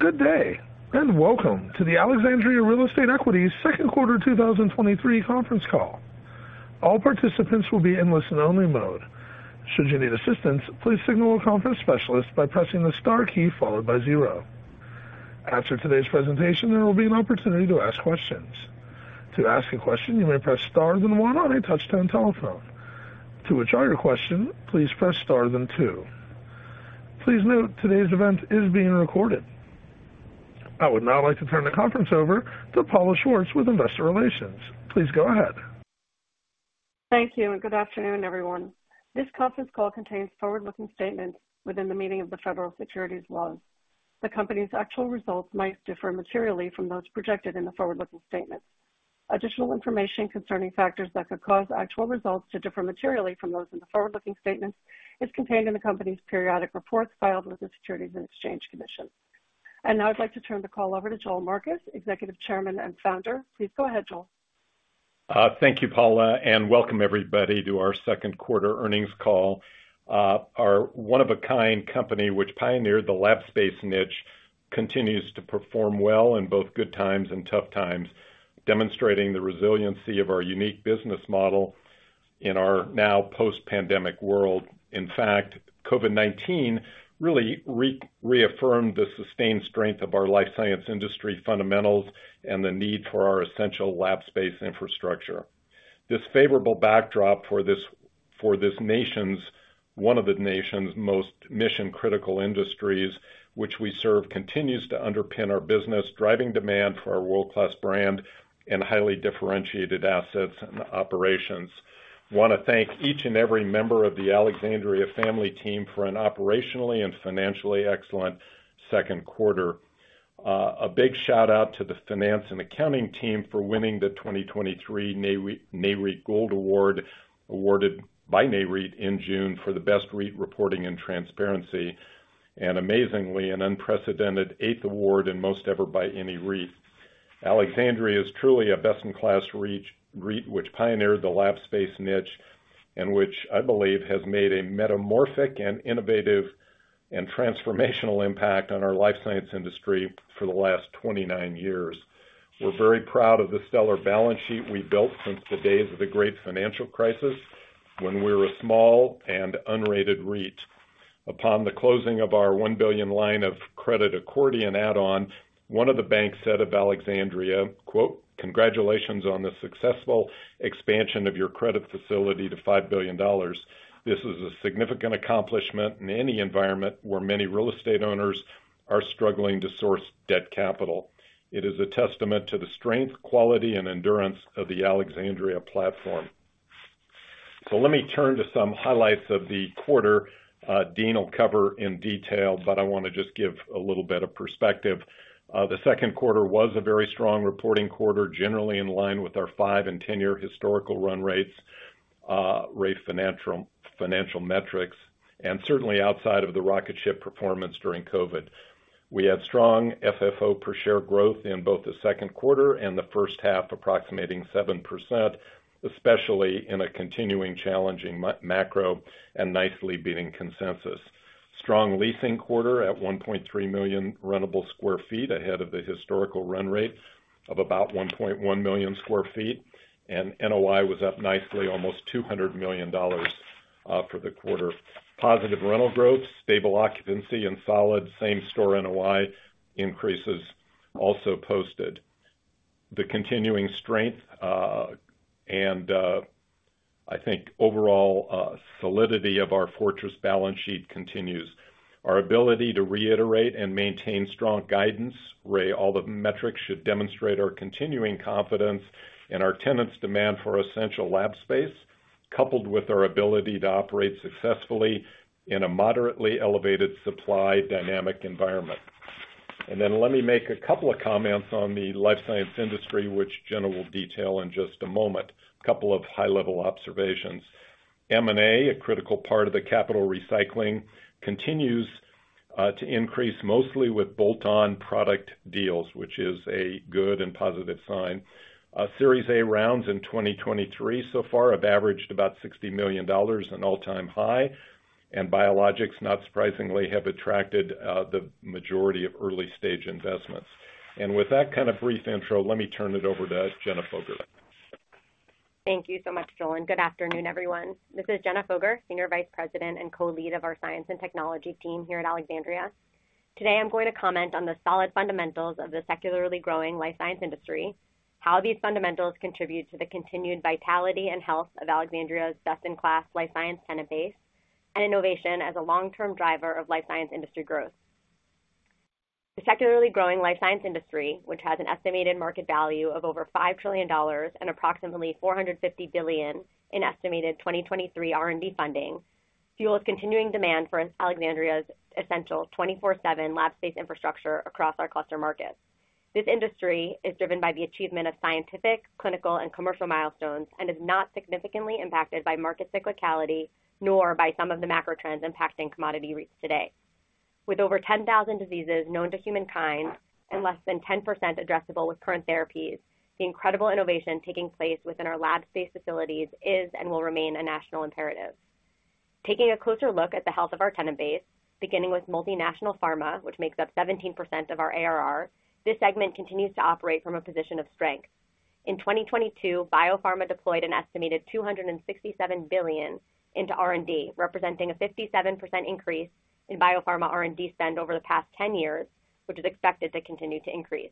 Good day, welcome to the Alexandria Real Estate Equities second quarter 2023 conference call. All participants will be in listen only mode. Should you need assistance, please signal a conference specialist by pressing the star key followed by zero. After today's presentation, there will be an opportunity to ask questions. To ask a question, you may press star then one on a touchtone telephone. To withdraw your question, please press star then two. Please note, today's event is being recorded. I would now like to turn the conference over to Paula Schwartz with Investor Relations. Please go ahead. Thank you, good afternoon, everyone. This conference call contains forward-looking statements within the meaning of the federal securities laws. The company's actual results might differ materially from those projected in the forward-looking statements. Additional information concerning factors that could cause actual results to differ materially from those in the forward-looking statements is contained in the company's periodic reports filed with the Securities and Exchange Commission. Now I'd like to turn the call over to Joel Marcus, Executive Chairman and Founder. Please go ahead, Joel. Thank you, Paula, and welcome everybody to our second quarter earnings call. Our one of a kind company, which pioneered the lab space niche, continues to perform well in both good times and tough times, demonstrating the resiliency of our unique business model in our now post-pandemic world. In fact, COVID-19 really reaffirmed the sustained strength of our life science industry fundamentals and the need for our essential lab space infrastructure. This favorable backdrop for this nation's... one of the nation's most mission-critical industries, which we serve, continues to underpin our business, driving demand for our world-class brand and highly differentiated assets and operations. Want to thank each and every member of the Alexandria family team for an operationally and financially excellent second quarter. A big shout out to the finance and accounting team for winning the 2023 Nareit Gold Award, awarded by Nareit in June for the best REIT reporting and transparency, amazingly, an unprecedented eighth award and most ever by any REIT. Alexandria is truly a best in class REIT, which pioneered the lab space niche and which I believe has made a metamorphic and innovative and transformational impact on our life science industry for the last 29 years. We're very proud of the stellar balance sheet we built since the days of the great financial crisis, when we were a small and unrated REIT. Upon the closing of our $1 billion line of credit accordion add-on, one of the banks said of Alexandria, quote, "Congratulations on the successful expansion of your credit facility to $5 billion. This is a significant accomplishment in any environment where many real estate owners are struggling to source debt capital. It is a testament to the strength, quality, and endurance of the Alexandria platform. Let me turn to some highlights of the quarter, Dean will cover in detail, but I want to just give a little bit of perspective. The second quarter was a very strong reporting quarter, generally in line with our 5 and 10-year historical run rates, rate financial metrics, and certainly outside of the rocket ship performance during COVID. We had strong FFO per share growth in both the second quarter and the first half, approximating 7%, especially in a continuing challenging macro and nicely beating consensus. Strong leasing quarter at 1.3 million rentable sq ft, ahead of the historical run rate of about 1.1 million sq ft, and NOI was up nicely, almost $200 million for the quarter. Positive rental growth, stable occupancy and solid same store NOI increases also posted. The continuing strength, and, I think overall, solidity of our fortress balance sheet continues. Our ability to reiterate and maintain strong guidance, where all the metrics should demonstrate our continuing confidence in our tenants' demand for essential lab space, coupled with our ability to operate successfully in a moderately elevated supply dynamic environment. Let me make a couple of comments on the life science industry, which Jenna will detail in just a moment. A couple of high-level observations. M&A, a critical part of the capital recycling, continues to increase, mostly with bolt-on product deals, which is a good and positive sign. Series A rounds in 2023 so far have averaged about $60 million, an all-time high, and biologics, not surprisingly, have attracted the majority of early-stage investments. With that kind of brief intro, let me turn it over to Jenna Foger. Thank you so much, Joel, and good afternoon, everyone. This is Jenna Foger, Senior Vice President and co-lead of our science and technology team here at Alexandria. Today, I'm going to comment on the solid fundamentals of the secularly growing life science industry, how these fundamentals contribute to the continued vitality and health of Alexandria's best-in-class life science tenant base, and innovation as a long-term driver of life science industry growth. The secularly growing life science industry, which has an estimated market value of over $5 trillion and approximately $450 billion in estimated 2023 R&D funding, fuels continuing demand for Alexandria's essential 24/7 lab space infrastructure across our cluster markets. This industry is driven by the achievement of scientific, clinical, and commercial milestones, and is not significantly impacted by market cyclicality, nor by some of the macro trends impacting commodity REITs today. With over 10,000 diseases known to humankind and less than 10% addressable with current therapies, the incredible innovation taking place within our lab space facilities is and will remain a national imperative. Taking a closer look at the health of our tenant base, beginning with multinational pharma, which makes up 17% of our ARR, this segment continues to operate from a position of strength. In 2022, biopharma deployed an estimated $267 billion into R&D, representing a 57% increase in biopharma R&D spend over the past 10 years, which is expected to continue to increase.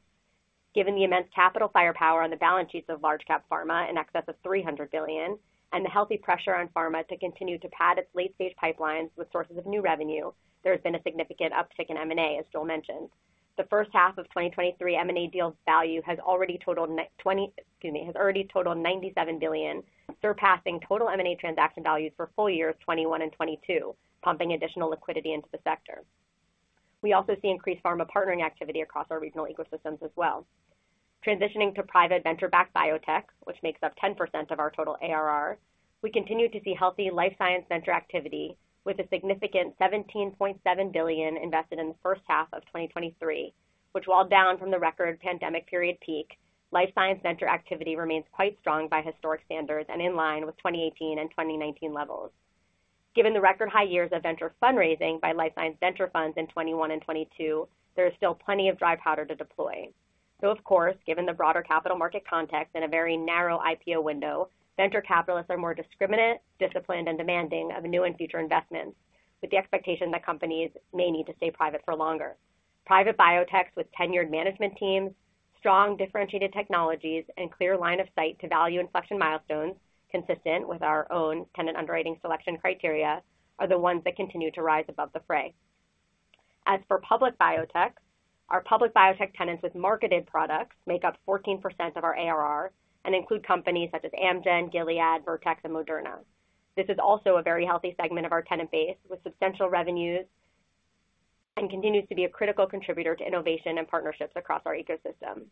Given the immense capital firepower on the balance sheets of large cap pharma, in excess of $300 billion, and the healthy pressure on pharma to continue to pad its late stage pipelines with sources of new revenue, there has been a significant uptick in M&A as Joel mentioned. The first half of 2023 M&A deals value has already totaled $97 billion, surpassing total M&A transaction values for full years 2021 and 2022, pumping additional liquidity into the sector. We also see increased pharma partnering activity across our regional ecosystems as well. Transitioning to private venture-backed biotech, which makes up 10% of our total ARR, we continue to see healthy life science venture activity with a significant $17.7 billion invested in the first half of 2023, which, while down from the record pandemic period peak, life science venture activity remains quite strong by historic standards and in line with 2018 and 2019 levels. Given the record high years of venture fundraising by life science venture funds in 2021 and 2022, there is still plenty of dry powder to deploy. Of course, given the broader capital market context and a very narrow IPO window, venture capitalists are more discriminate, disciplined, and demanding of new and future investments, with the expectation that companies may need to stay private for longer. Private biotechs with tenured management teams, strong differentiated technologies, and clear line of sight to value inflection milestones consistent with our own tenant underwriting selection criteria, are the ones that continue to rise above the fray. As for public biotechs, our public biotech tenants with marketed products make up 14% of our ARR and include companies such as Amgen, Gilead, Vertex, and Moderna. This is also a very healthy segment of our tenant base, with substantial revenues, and continues to be a critical contributor to innovation and partnerships across our ecosystem.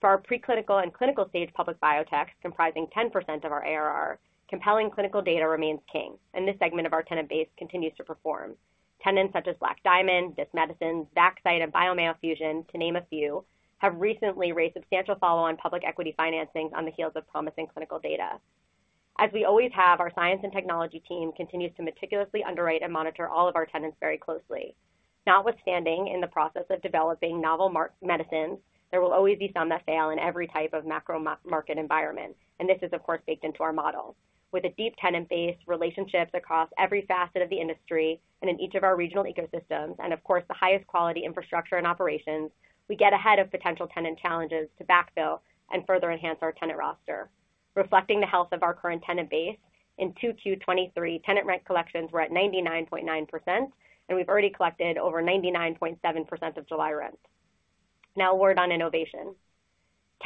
For our preclinical and clinical stage public biotechs, comprising 10% of our ARR, compelling clinical data remains king. This segment of our tenant base continues to perform. Tenants such as Black Diamond, Disc Medicine, Vaxcyte, and Biomea Fusion, to name a few, have recently raised substantial follow-on public equity financings on the heels of promising clinical data. As we always have, our science and technology team continues to meticulously underwrite and monitor all of our tenants very closely. Notwithstanding, in the process of developing novel market medicines, there will always be some that fail in every type of macro market environment. This is, of course, baked into our model. With a deep tenant base, relationships across every facet of the industry and in each of our regional ecosystems, and of course, the highest quality infrastructure and operations, we get ahead of potential tenant challenges to backfill and further enhance our tenant roster. Reflecting the health of our current tenant base in 2Q 2023, tenant rent collections were at 99.9%, and we've already collected over 99.7% of July rent. Now, a word on innovation.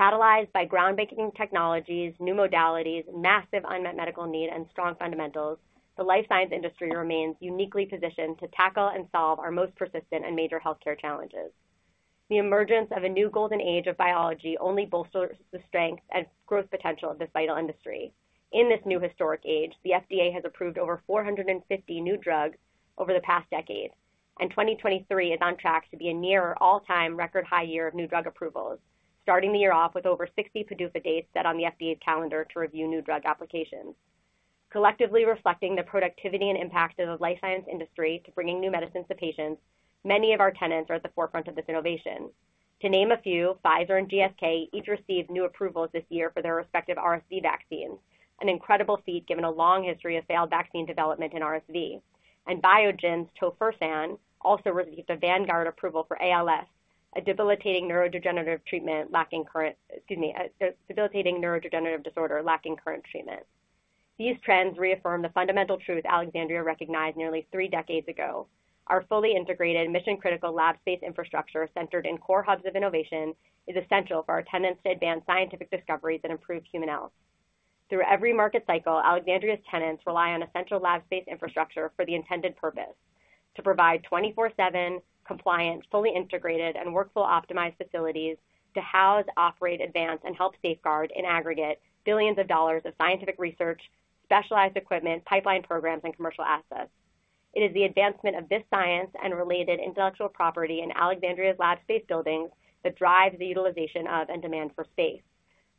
Catalyzed by groundbreaking technologies, new modalities, massive unmet medical need, and strong fundamentals, the life science industry remains uniquely positioned to tackle and solve our most persistent and major healthcare challenges. The emergence of a new golden age of biology only bolsters the strength and growth potential of this vital industry. In this new historic age, the FDA has approved over 450 new drugs over the past decade, and 2023 is on track to be a near all-time record high year of new drug approvals, starting the year off with over 60 PDUFA dates set on the FDA's calendar to review new drug applications. Collectively reflecting the productivity and impact of the life science industry to bringing new medicines to patients, many of our tenants are at the forefront of this innovation. To name a few, Pfizer and GSK each received new approvals this year for their respective RSV vaccines, an incredible feat given a long history of failed vaccine development in RSV. Biogen's tofersen also received a accelerated approval for ALS, a debilitating neurodegenerative disorder lacking current treatment. These trends reaffirm the fundamental truth Alexandria recognized nearly three decades ago. Our fully integrated, mission-critical, lab space infrastructure, centered in core hubs of innovation, is essential for our tenants to advance scientific discoveries and improve human health. Through every market cycle, Alexandria's tenants rely on essential lab space infrastructure for the intended purpose: to provide 24/7 compliant, fully integrated, and workflow optimized facilities to house, operate, advance, and help safeguard, in aggregate, billions of dollars of scientific research, specialized equipment, pipeline programs, and commercial assets. It is the advancement of this science and related intellectual property in Alexandria's lab space buildings that drives the utilization of and demand for space.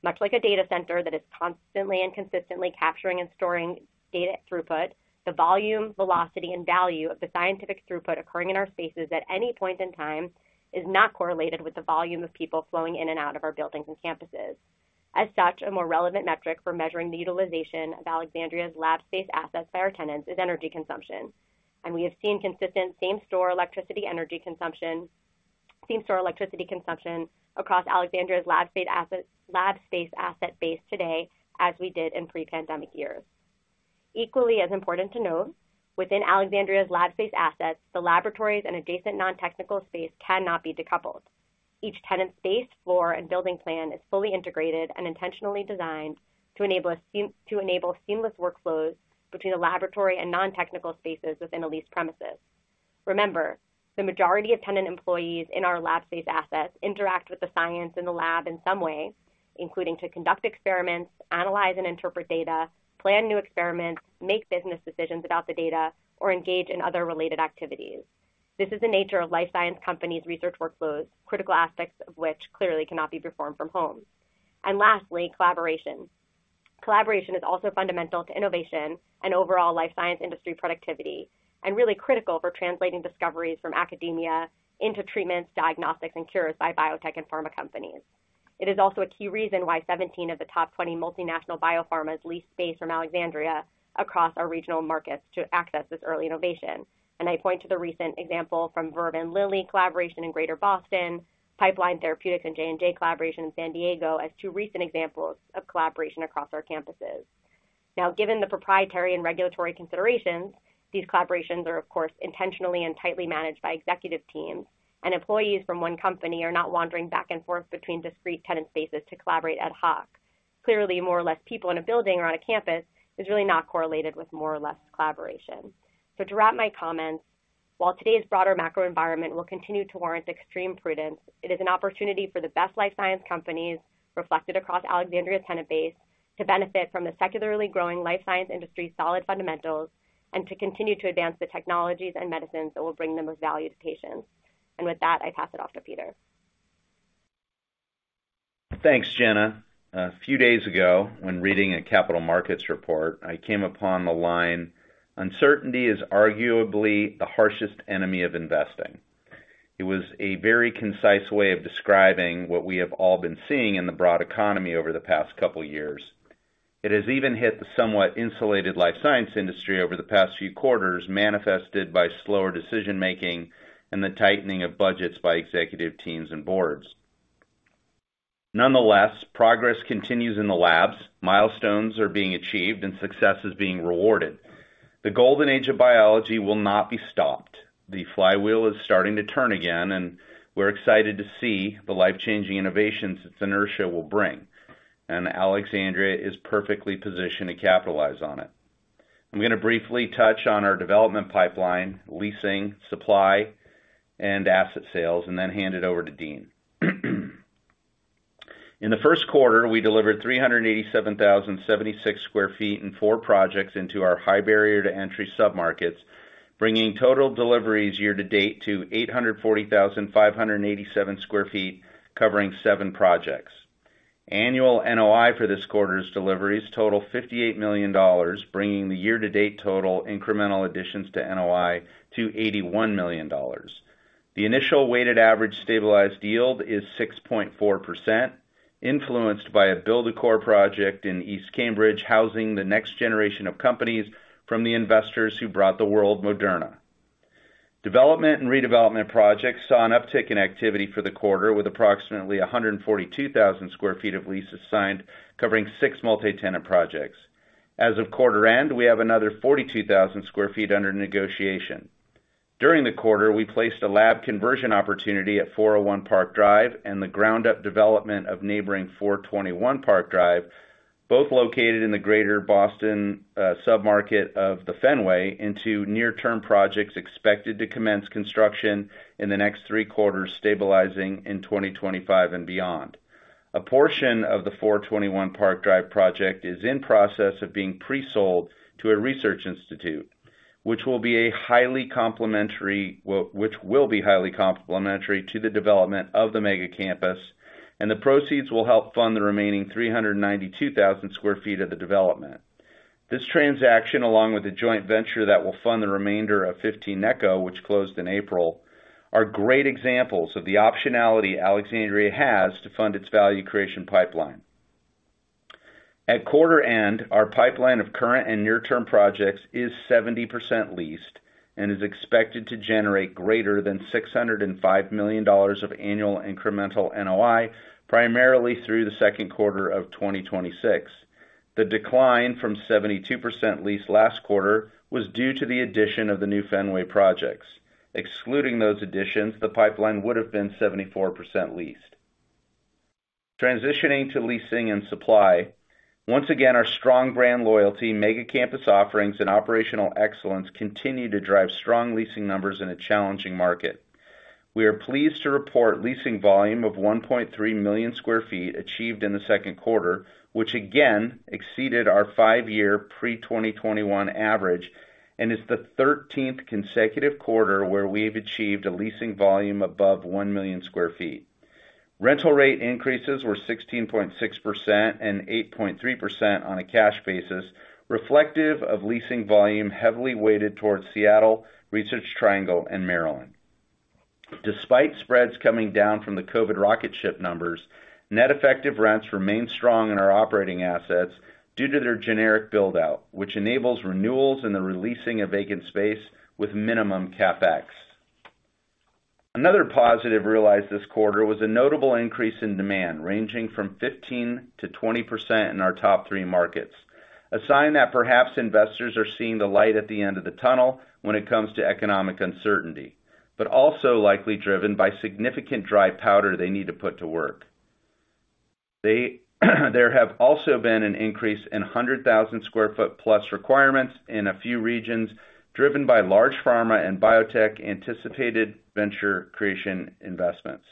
Much like a data center that is constantly and consistently capturing and storing data throughput, the volume, velocity, and value of the scientific throughput occurring in our spaces at any point in time is not correlated with the volume of people flowing in and out of our buildings and campuses. As such, a more relevant metric for measuring the utilization of Alexandria's lab space assets by our tenants is energy consumption. We have seen consistent same-store electricity consumption across Alexandria's lab space assets, lab space asset base today, as we did in pre-pandemic years. Equally as important to note, within Alexandria's lab space assets, the laboratories and adjacent non-technical space cannot be decoupled. Each tenant space, floor, and building plan is fully integrated and intentionally designed to enable seamless workflows between the laboratory and non-technical spaces within a leased premises. Remember, the majority of tenant employees in our lab space assets interact with the science in the lab in some way, including to conduct experiments, analyze and interpret data, plan new experiments, make business decisions about the data, or engage in other related activities. This is the nature of life science companies' research workflows, critical aspects of which clearly cannot be performed from home. Lastly, collaboration. Collaboration is also fundamental to innovation and overall life science industry productivity, and really critical for translating discoveries from academia into treatments, diagnostics, and cures by biotech and pharma companies. It is also a key reason why 17 of the top 20 multinational biopharmas lease space from Alexandria across our regional markets to access this early innovation. I point to the recent example from Verve and Lilly collaboration in Greater Boston, Pipeline Therapeutics and J&J collaboration in San Diego, as two recent examples of collaboration across our campuses. Given the proprietary and regulatory considerations, these collaborations are, of course, intentionally and tightly managed by executive teams, and employees from one company are not wandering back and forth between discrete tenant spaces to collaborate ad hoc. More or less people in a building or on a campus is really not correlated with more or less collaboration. To wrap my comments, while today's broader macro environment will continue to warrant extreme prudence, it is an opportunity for the best life science companies, reflected across Alexandria's tenant base, to benefit from the secularly growing life science industry's solid fundamentals, and to continue to advance the technologies and medicines that will bring the most value to patients. With that, I pass it off to Peter. Thanks, Jenna. A few days ago, when reading a capital markets report, I came upon the line, "Uncertainty is arguably the harshest enemy of investing." It was a very concise way of describing what we have all been seeing in the broad economy over the past couple of years. It has even hit the somewhat insulated life science industry over the past few quarters, manifested by slower decision-making and the tightening of budgets by executive teams and boards. Nonetheless, progress continues in the labs, milestones are being achieved, and success is being rewarded. The golden age of biology will not be stopped. The flywheel is starting to turn again, and we're excited to see the life-changing innovations its inertia will bring, and Alexandria is perfectly positioned to capitalize on it. I'm going to briefly touch on our development pipeline, leasing, supply, and asset sales, and then hand it over to Dean. In the first quarter, we delivered 387,076 sq ft in four projects into our high barrier to entry submarkets, bringing total deliveries year-to-date to 840,587 sq ft, covering seven projects. Annual NOI for this quarter's deliveries total $58 million, bringing the year-to-date total incremental additions to NOI to $81 million. The initial weighted average stabilized yield is 6.4%, influenced by a build-to-core project in East Cambridge, housing the next generation of companies from the investors who brought the world Moderna. Development and redevelopment projects saw an uptick in activity for the quarter, with approximately 142,000 sq ft of leases signed, covering six multi-tenant projects. As of quarter end, we have another 42,000 sq ft under negotiation. During the quarter, we placed a lab conversion opportunity at 401 Park Drive and the ground-up development of neighboring 421 Park Drive, both located in the Greater Boston submarket of the Fenway, into near-term projects expected to commence construction in the next 3 quarters, stabilizing in 2025 and beyond. A portion of the 421 Park Drive project is in process of being pre-sold to a research institute, which will be highly complementary to the development of the mega campus, and the proceeds will help fund the remaining 392,000 sq ft of the development. This transaction, along with a joint venture that will fund the remainder of 15 Necco, which closed in April, are great examples of the optionality Alexandria has to fund its value creation pipeline. At quarter end, our pipeline of current and near-term projects is 70% leased and is expected to generate greater than $605 million of annual incremental NOI, primarily through the second quarter of 2026. The decline from 72% leased last quarter was due to the addition of the new Fenway projects. Excluding those additions, the pipeline would have been 74% leased. Transitioning to leasing and supply. Once again, our strong brand loyalty, mega campus offerings, and operational excellence continue to drive strong leasing numbers in a challenging market. We are pleased to report leasing volume of 1.3 million sq ft achieved in the second quarter, which again exceeded our 5-year pre-2021 average, is the 13th consecutive quarter where we've achieved a leasing volume above 1 million sq ft. Rental rate increases were 16.6% and 8.3% on a cash basis, reflective of leasing volume heavily weighted towards Seattle, Research Triangle, and Maryland. Despite spreads coming down from the COVID rocket ship numbers, net effective rents remain strong in our operating assets due to their generic build-out, which enables renewals and the releasing of vacant space with minimum CapEx. Another positive realized this quarter was a notable increase in demand, ranging from 15%-20% in our top three markets, a sign that perhaps investors are seeing the light at the end of the tunnel when it comes to economic uncertainty, also likely driven by significant dry powder they need to put to work. There have also been an increase in 100,000 sq ft plus requirements in a few regions, driven by large pharma and biotech anticipated venture creation investments.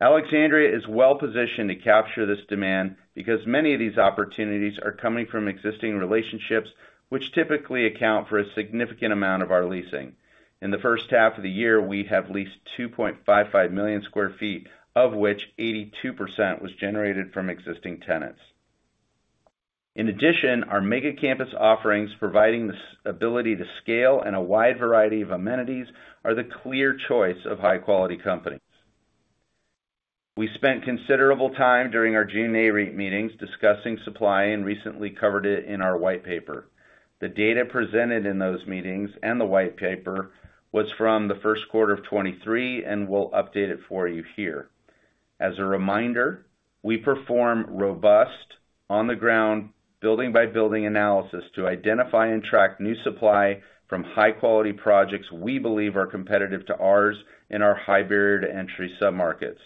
Alexandria is well positioned to capture this demand because many of these opportunities are coming from existing relationships, which typically account for a significant amount of our leasing. In the first half of the year, we have leased 2.55 million sq ft, of which 82% was generated from existing tenants. In addition, our mega campus offerings, providing the ability to scale and a wide variety of amenities, are the clear choice of high-quality companies. We spent considerable time during our June Nareit meetings discussing supply and recently covered it in our white paper. The data presented in those meetings, and the white paper, was from the first quarter of 23, and we'll update it for you here. As a reminder, we perform robust, on-the-ground, building-by-building analysis to identify and track new supply from high-quality projects we believe are competitive to ours in our high barrier to entry submarkets.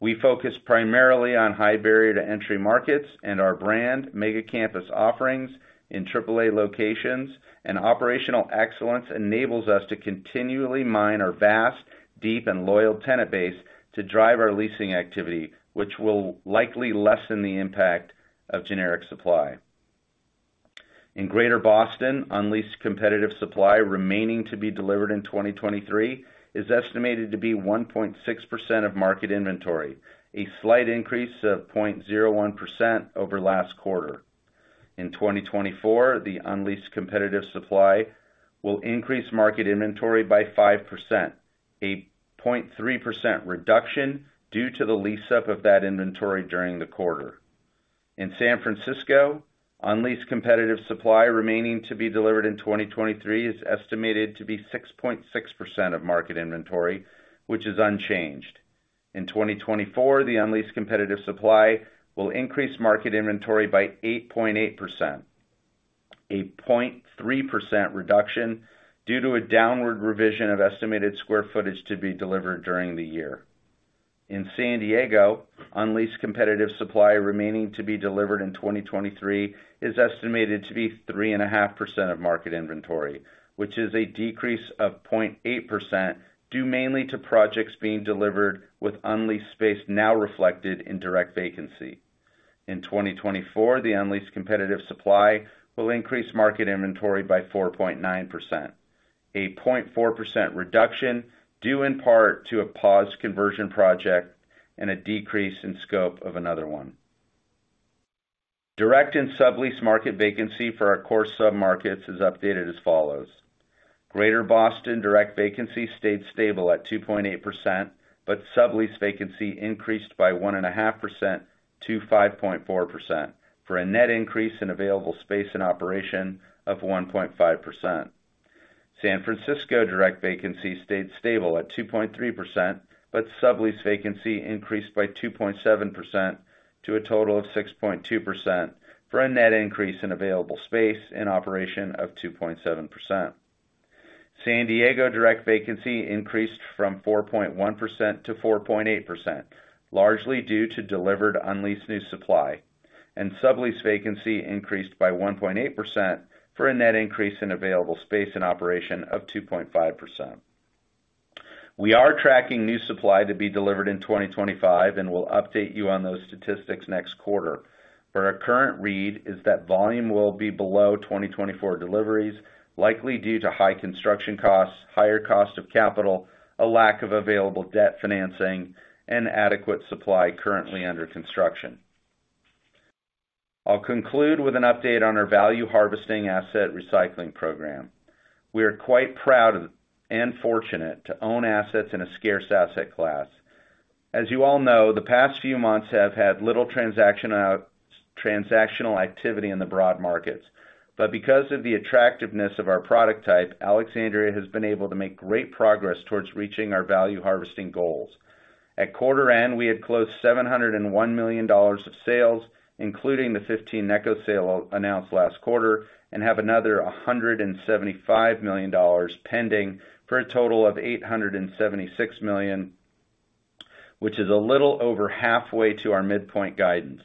We focus primarily on high barrier to entry markets and our brand mega campus offerings in AAA locations, and operational excellence enables us to continually mine our vast, deep and loyal tenant base to drive our leasing activity, which will likely lessen the impact of generic supply. In Greater Boston, unleased competitive supply remaining to be delivered in 2023 is estimated to be 1.6% of market inventory, a slight increase of 0.01% over last quarter. In 2024, the unleased competitive supply will increase market inventory by 5%, a 0.3% reduction due to the lease up of that inventory during the quarter. In San Francisco, unleased competitive supply remaining to be delivered in 2023 is estimated to be 6.6% of market inventory, which is unchanged. In 2024, the unleased competitive supply will increase market inventory by 8.8%, a 0.3% reduction due to a downward revision of estimated square footage to be delivered during the year. In San Diego, unleased competitive supply remaining to be delivered in 2023 is estimated to be 3.5% of market inventory, which is a decrease of 0.8%, due mainly to projects being delivered with unleased space now reflected in direct vacancy. In 2024, the unleased competitive supply will increase market inventory by 4.9%, a 0.4% reduction, due in part to a paused conversion project and a decrease in scope of another one. Direct and sublease market vacancy for our core submarkets is updated as follows: Greater Boston direct vacancy stayed stable at 2.8%, but sublease vacancy increased by 1.5% to 5.4%, for a net increase in available space and operation of 1.5%. San Francisco direct vacancy stayed stable at 2.3%. Sublease vacancy increased by 2.7% to a total of 6.2%, for a net increase in available space and operation of 2.7%. San Diego direct vacancy increased from 4.1% to 4.8%, largely due to delivered unleased new supply. Sublease vacancy increased by 1.8% for a net increase in available space and operation of 2.5%. We are tracking new supply to be delivered in 2025. We'll update you on those statistics next quarter. For our current read is that volume will be below 2024 deliveries, likely due to high construction costs, higher cost of capital, a lack of available debt financing, and adequate supply currently under construction. I'll conclude with an update on our value harvesting asset recycling program. We are quite proud and fortunate to own assets in a scarce asset class. As you all know, the past few months have had little transactional activity in the broad markets. Because of the attractiveness of our product type, Alexandria has been able to make great progress towards reaching our value harvesting goals. At quarter end, we had closed $701 million of sales, including the 15 Necco sale announced last quarter, and have another $175 million pending, for a total of $876 million, which is a little over halfway to our midpoint guidance.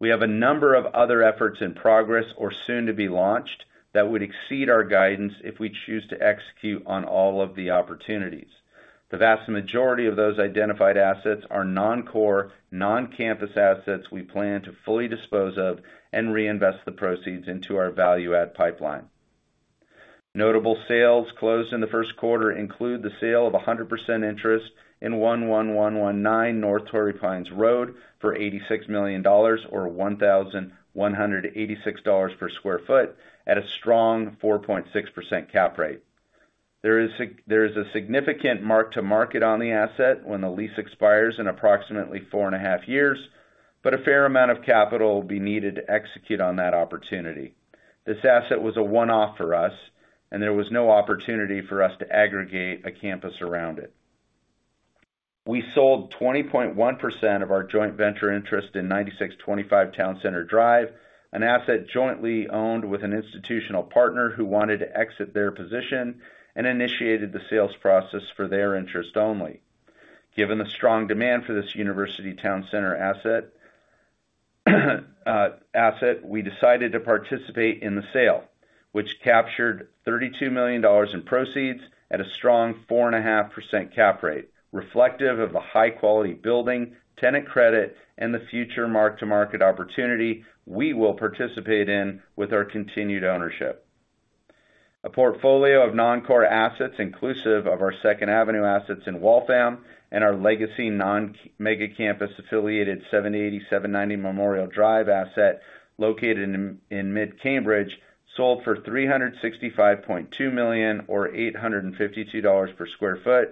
We have a number of other efforts in progress or soon to be launched that would exceed our guidance if we choose to execute on all of the opportunities. The vast majority of those identified assets are non-core, non-campus assets we plan to fully dispose of and reinvest the proceeds into our value add pipeline. Notable sales closed in the first quarter include the sale of 100% interest in 11119 North Torrey Pines Road for $86 million, or $1,186 per sq ft at a strong 4.6% cap rate. There is a significant mark to market on the asset when the lease expires in approximately four and a half years, but a fair amount of capital will be needed to execute on that opportunity. This asset was a one-off for us, and there was no opportunity for us to aggregate a campus around it. We sold 20.1% of our joint venture interest in 9625 Town Center Drive, an asset jointly owned with an institutional partner who wanted to exit their position and initiated the sales process for their interest only. Given the strong demand for this University Town Center asset, we decided to participate in the sale, which captured $32 million in proceeds at a strong 4.5% cap rate, reflective of a high-quality building, tenant credit, and the future mark-to-market opportunity we will participate in with our continued ownership. A portfolio of non-core assets, inclusive of our Second Avenue assets in Waltham, and our legacy non-mega campus-affiliated 780, 790 Memorial Drive asset, located in mid-Cambridge, sold for $365.2 million, or $852 per sq ft,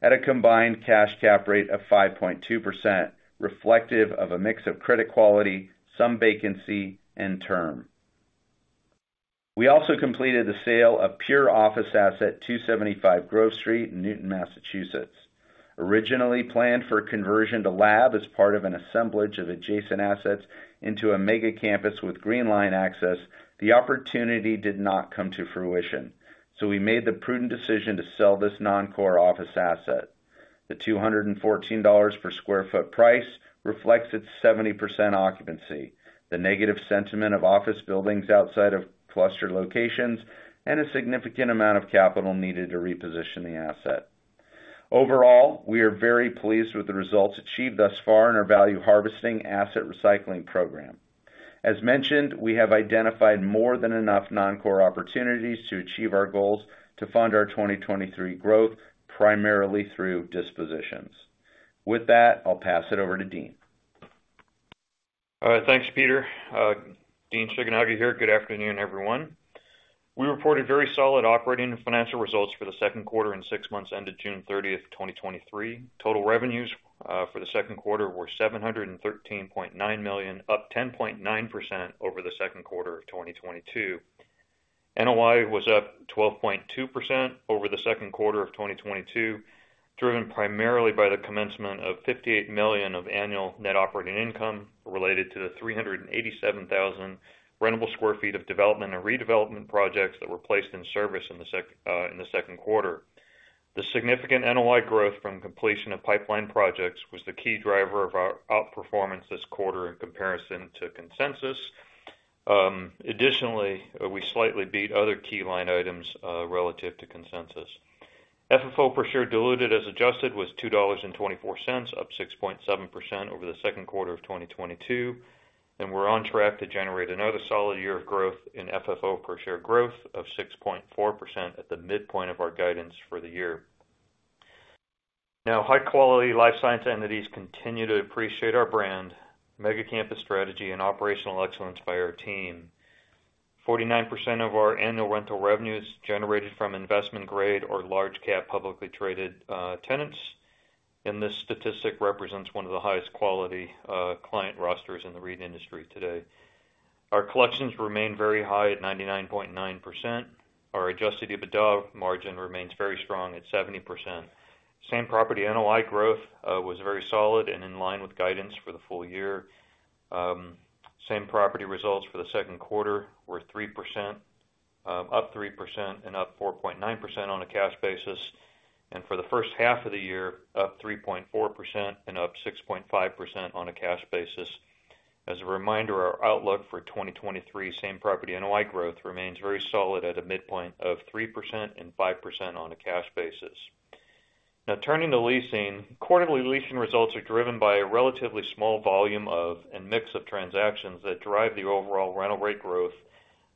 at a combined cash cap rate of 5.2%, reflective of a mix of credit quality, some vacancy, and term. We also completed the sale of pure office asset, 275 Grove Street, Newton, Massachusetts. Originally planned for conversion to lab as part of an assemblage of adjacent assets into a mega campus with Green Line access, the opportunity did not come to fruition, we made the prudent decision to sell this non-core office asset. The $214 per sq ft price reflects its 70% occupancy, the negative sentiment of office buildings outside of cluster locations, and a significant amount of capital needed to reposition the asset. Overall, we are very pleased with the results achieved thus far in our value harvesting asset recycling program. As mentioned, we have identified more than enough non-core opportunities to achieve our goals to fund our 2023 growth, primarily through dispositions. With that, I'll pass it over to Dean. All right, thanks, Peter. Dean Shigenaga here. Good afternoon, everyone. We reported very solid operating and financial results for the second quarter and six months ended June 30th, 2023. Total revenues for the second quarter were $713.9 million, up 10.9% over the second quarter of 2022. NOI was up 12.2% over the second quarter of 2022, driven primarily by the commencement of $58 million of annual net operating income, related to the 387,000 rentable sq ft of development and redevelopment projects that were placed in service in the second quarter. The significant NOI growth from completion of pipeline projects was the key driver of our outperformance this quarter in comparison to consensus. Additionally, we slightly beat other key line items relative to consensus. FFO per share, diluted as adjusted, was $2.24, up 6.7% over the second quarter of 2022. We're on track to generate another solid year of growth in FFO per share growth of 6.4% at the midpoint of our guidance for the year. High-quality life science entities continue to appreciate our brand, mega campus strategy, and operational excellence by our team. 49% of our annual rental revenue is generated from investment-grade or large-cap, publicly traded tenants. This statistic represents one of the highest quality client rosters in the REIT industry today. Our collections remain very high at 99.9%. Our adjusted EBITDA margin remains very strong at 70%. Same-property NOI growth was very solid and in line with guidance for the full year. Same-property results for the second quarter were 3%, up 3% and up 4.9% on a cash basis. For the first half of the year, up 3.4% and up 6.5% on a cash basis. As a reminder, our outlook for 2023 same-property NOI growth remains very solid at a midpoint of 3% and 5% on a cash basis. Turning to leasing. Quarterly leasing results are driven by a relatively small volume of, and mix of, transactions that drive the overall rental rate growth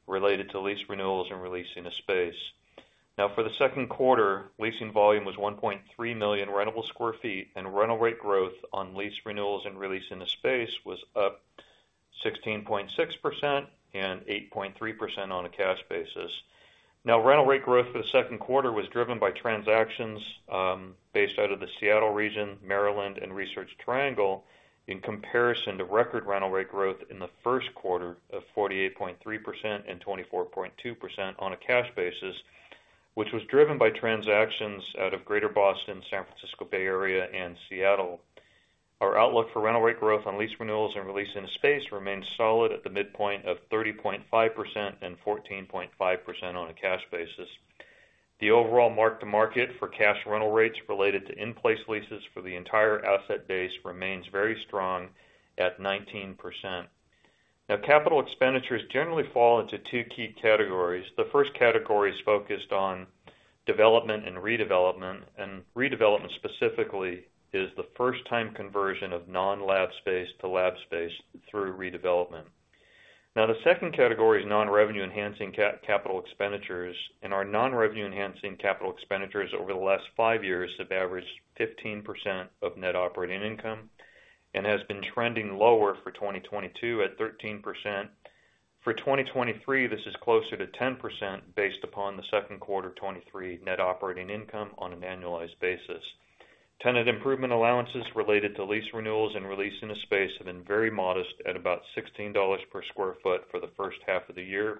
related to lease renewals and releasing of space. For the second quarter, leasing volume was 1.3 million rentable sq ft, and rental rate growth on lease renewals and release in the space was up 16.6% and 8.3% on a cash basis. Rental rate growth for the second quarter was driven by transactions, based out of the Seattle region, Maryland, and Research Triangle, in comparison to record rental rate growth in the first quarter of 48.3% and 24.2% on a cash basis, which was driven by transactions out of Greater Boston, San Francisco Bay Area, and Seattle. Our outlook for rental rate growth on lease renewals and release into space remains solid at the midpoint of 30.5% and 14.5% on a cash basis. The overall mark-to-market for cash rental rates related to in-place leases for the entire asset base remains very strong at 19%. Capital expenditures generally fall into two key categories. The first category is focused on development and redevelopment, and redevelopment, specifically, is the first time conversion of non-lab space to lab space through redevelopment. The second category is non-revenue enhancing capital expenditures, and our non-revenue enhancing capital expenditures over the last five years have averaged 15% of net operating income and has been trending lower for 2022 at 13%. For 2023, this is closer to 10%, based upon the second quarter 2023 net operating income on an annualized basis. Tenant improvement allowances related to lease renewals and release in a space have been very modest, at about $16 per sq ft for the first half of the year,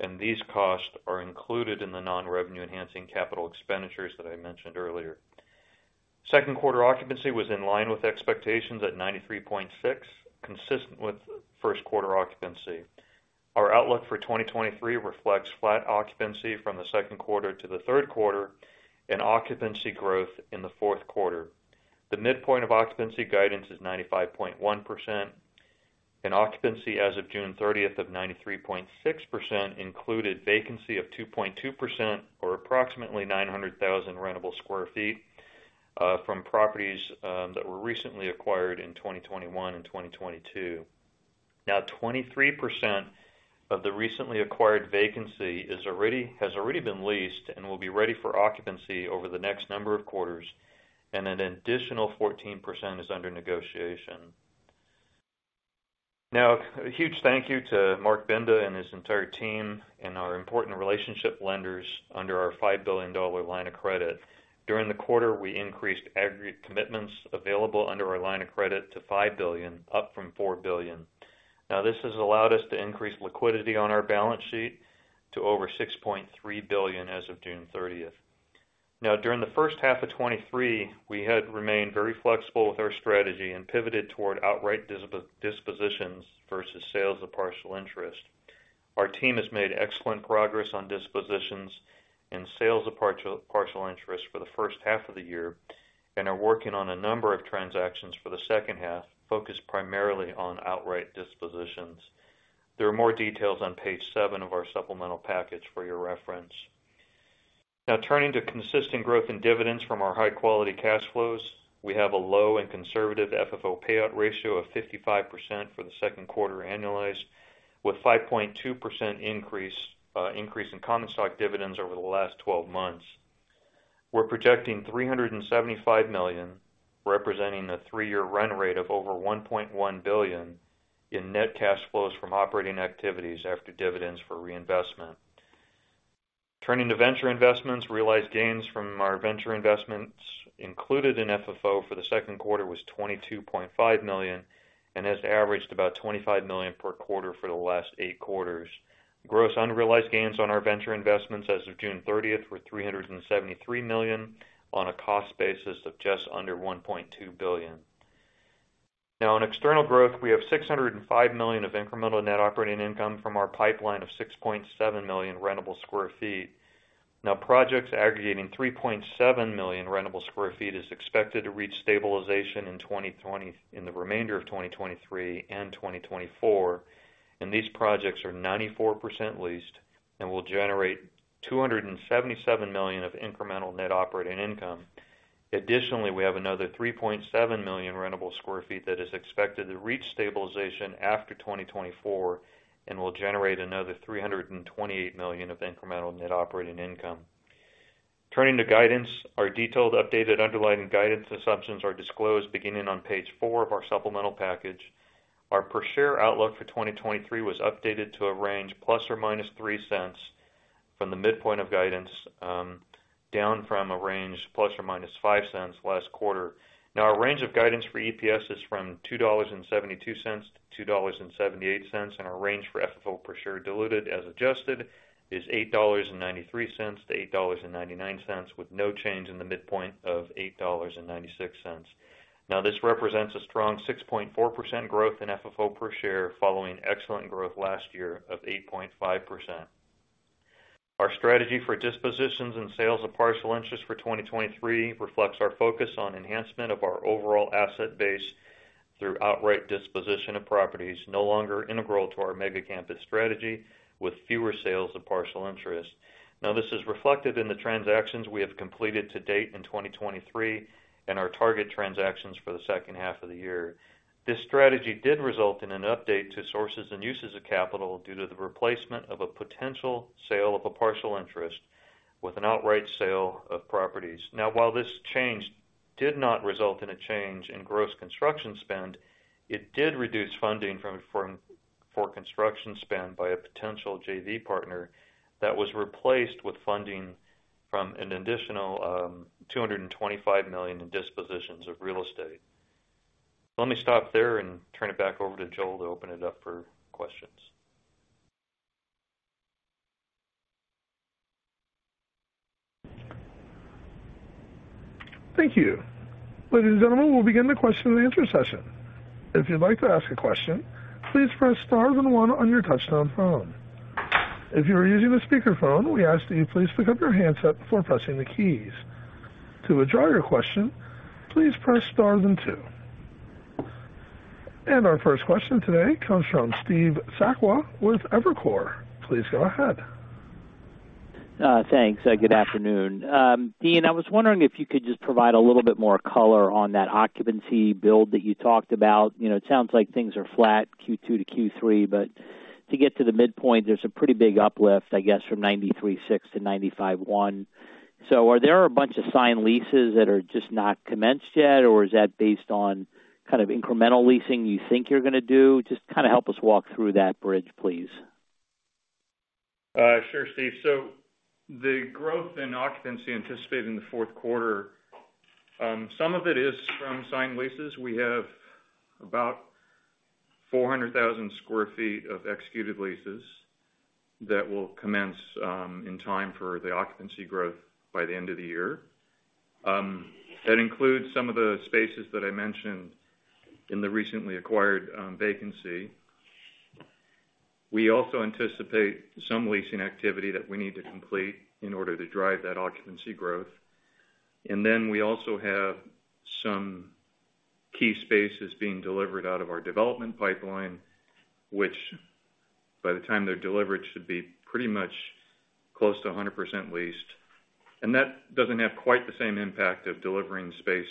and these costs are included in the non-revenue enhancing capital expenditures that I mentioned earlier. Second quarter occupancy was in line with expectations at 93.6, consistent with first quarter occupancy. Our outlook for 2023 reflects flat occupancy from the second quarter to the third quarter and occupancy growth in the fourth quarter. The midpoint of occupancy guidance is 95.1%, and occupancy as of June 30th of 93.6%, included vacancy of 2.2% or approximately 900,000 rentable sq ft from properties that were recently acquired in 2021 and 2022. Twenty-three percent of the recently acquired vacancy has already been leased and will be ready for occupancy over the next number of quarters, and an additional 14% is under negotiation. A huge thank you to Marc Binda and his entire team and our important relationship lenders under our $5 billion line of credit. During the quarter, we increased aggregate commitments available under our line of credit to $5 billion, up from $4 billion. This has allowed us to increase liquidity on our balance sheet to over $6.3 billion as of June 30th. During the first half of 2023, we had remained very flexible with our strategy and pivoted toward outright dispositions versus sales of partial interest. Our team has made excellent progress on dispositions and sales of partial interest for the first half of the year, and are working on a number of transactions for the second half, focused primarily on outright dispositions. There are more details on page 7 of our supplemental package for your reference. Turning to consistent growth in dividends from our high-quality cash flows. We have a low and conservative FFO payout ratio of 55% for the second quarter, annualized, with 5.2% increase in common stock dividends over the last 12 months. We're projecting $375 million, representing a 3-year run rate of over $1.1 billion, in net cash flows from operating activities after dividends for reinvestment. Turning to venture investments. Realized gains from our venture investments included in FFO for the second quarter was $22.5 million, and has averaged about $25 million per quarter for the last 8 quarters. Gross unrealized gains on our venture investments as of June 30th, were $373 million, on a cost basis of just under $1.2 billion. On external growth, we have $605 million of incremental net operating income from our pipeline of 6.7 million rentable sq ft. Projects aggregating 3.7 million rentable sq ft, is expected to reach stabilization in the remainder of 2023 and 2024. These projects are 94% leased and will generate $277 million of incremental net operating income. Additionally, we have another 3.7 million rentable sq ft that is expected to reach stabilization after 2024 and will generate another $328 million of incremental net operating income. Turning to guidance. Our detailed updated underlying guidance assumptions are disclosed beginning on page 4 of our supplemental package. Our per share outlook for 2023 was updated to a range ±$0.03 from the midpoint of guidance, down from a range ±$0.05 last quarter. Our range of guidance for EPS is from $2.72-$2.78, and our range for FFO per share, diluted as adjusted, is $8.93-$8.99, with no change in the midpoint of $8.96. This represents a strong 6.4% growth in FFO per share, following excellent growth last year of 8.5%. Our strategy for dispositions and sales of partial interest for 2023 reflects our focus on enhancement of our overall asset base through outright disposition of properties no longer integral to our mega campus strategy, with fewer sales of partial interest. This is reflected in the transactions we have completed to date in 2023, and our target transactions for the second half of the year. This strategy did result in an update to sources and uses of capital due to the replacement of a potential sale of a partial interest with an outright sale of properties. While this change did not result in a change in gross construction spend, it did reduce funding for construction spend by a potential JV partner that was replaced with funding from an additional $225 million in dispositions of real estate. Let me stop there and turn it back over to Joel to open it up for questions. Thank you. Ladies and gentlemen, we'll begin the question and answer session. If you'd like to ask a question, please press star then one on your touchtone phone. If you are using a speakerphone, we ask that you please pick up your handset before pressing the keys. To withdraw your question, please press star then two. Our first question today comes from Steve Sakwa with Evercore. Please go ahead. Thanks, and good afternoon. Dean, I was wondering if you could just provide a little bit more color on that occupancy build that you talked about. You know, it sounds like things are flat, Q2 to Q3. To get to the midpoint, there's a pretty big uplift, I guess, from 93.6% to 95.1%. Are there a bunch of signed leases that are just not commenced yet, or is that based on kind of incremental leasing you think you're gonna do? Just kind of help us walk through that bridge, please. Sure, Steve. The growth in occupancy anticipated in the fourth quarter, some of it is from signed leases. We have about 400,000 sq ft of executed leases that will commence in time for the occupancy growth by the end of the year. That includes some of the spaces that I mentioned in the recently acquired vacancy. We also anticipate some leasing activity that we need to complete in order to drive that occupancy growth. We also have some key spaces being delivered out of our development pipeline, which by the time they're delivered, should be pretty much close to 100% leased. That doesn't have quite the same impact of delivering space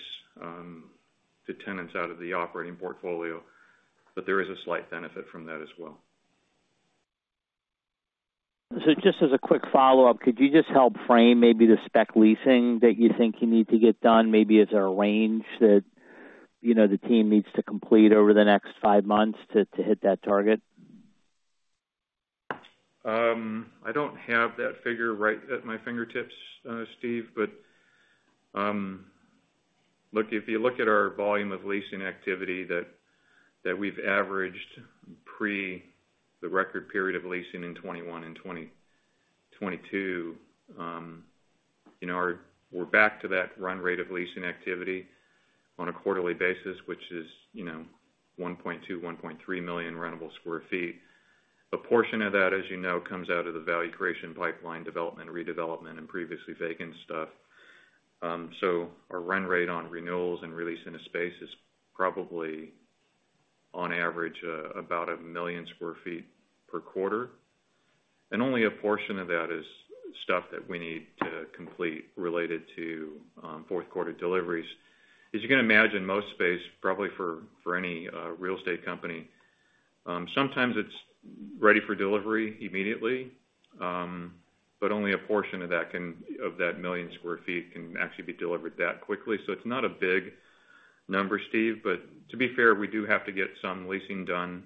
to tenants out of the operating portfolio, but there is a slight benefit from that as well. Just as a quick follow-up, could you just help frame maybe the spec leasing that you think you need to get done? Maybe is there a range that, you know, the team needs to complete over the next five months to hit that target? I don't have that figure right at my fingertips, Steve, but look, if you look at our volume of leasing activity that we've averaged pre the record period of leasing in 2021 and 2022, you know, we're back to that run rate of leasing activity on a quarterly basis, which is, you know, 1.2, 1.3 million rentable sq ft. A portion of that, as you know, comes out of the value creation pipeline development, redevelopment, and previously vacant stuff. Our run rate on renewals and release into space is probably, on average, about 1 million sq ft per quarter, and only a portion of that is stuff that we need to complete related to fourth quarter deliveries. As you can imagine, most space, probably for any real estate company, sometimes it's ready for delivery immediately, but only a portion of that, of that million sq ft, can actually be delivered that quickly. It's not a big number, Steve, but to be fair, we do have to get some leasing done.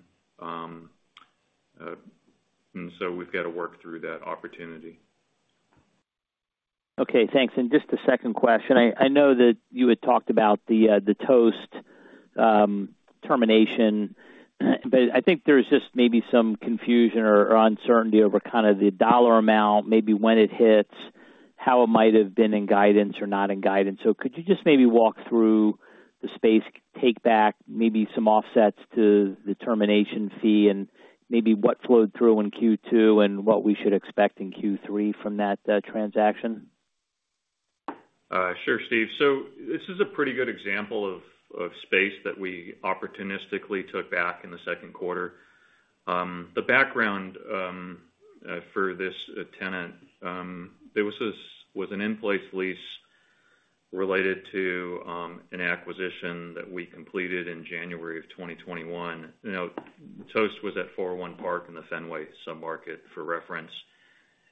We've got to work through that opportunity. Thanks. Just a second question. I know that you had talked about the Toast termination, but I think there's just maybe some confusion or uncertainty over kind of the dollar amount, maybe when it hits, how it might have been in guidance or not in guidance. Could you just maybe walk through the space take back, maybe some offsets to the termination fee, and maybe what flowed through in Q2, and what we should expect in Q3 from that transaction? Sure, Steve. This is a pretty good example of space that we opportunistically took back in the second quarter. The background for this tenant, there was an in-place lease related to an acquisition that we completed in January 2021. You know, Toast was at 41 Park in the Fenway submarket, for reference.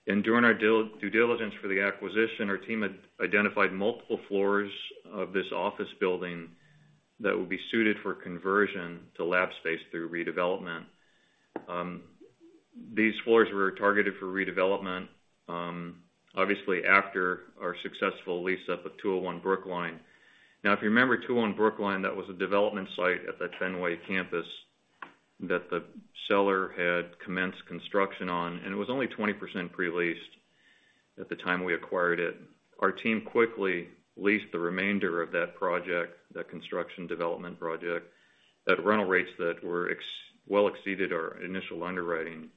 During our due diligence for the acquisition, our team had identified multiple floors of this office building that would be suited for conversion to lab space through redevelopment. These floors were targeted for redevelopment, obviously, after our successful lease up at 201 Brookline. If you remember, 201 Brookline, that was a development site at that Fenway campus that the seller had commenced construction on, and it was only 20% pre-leased at the time we acquired it. Our team quickly leased the remainder of that project, that construction development project, at rental rates that well exceeded our initial underwriting.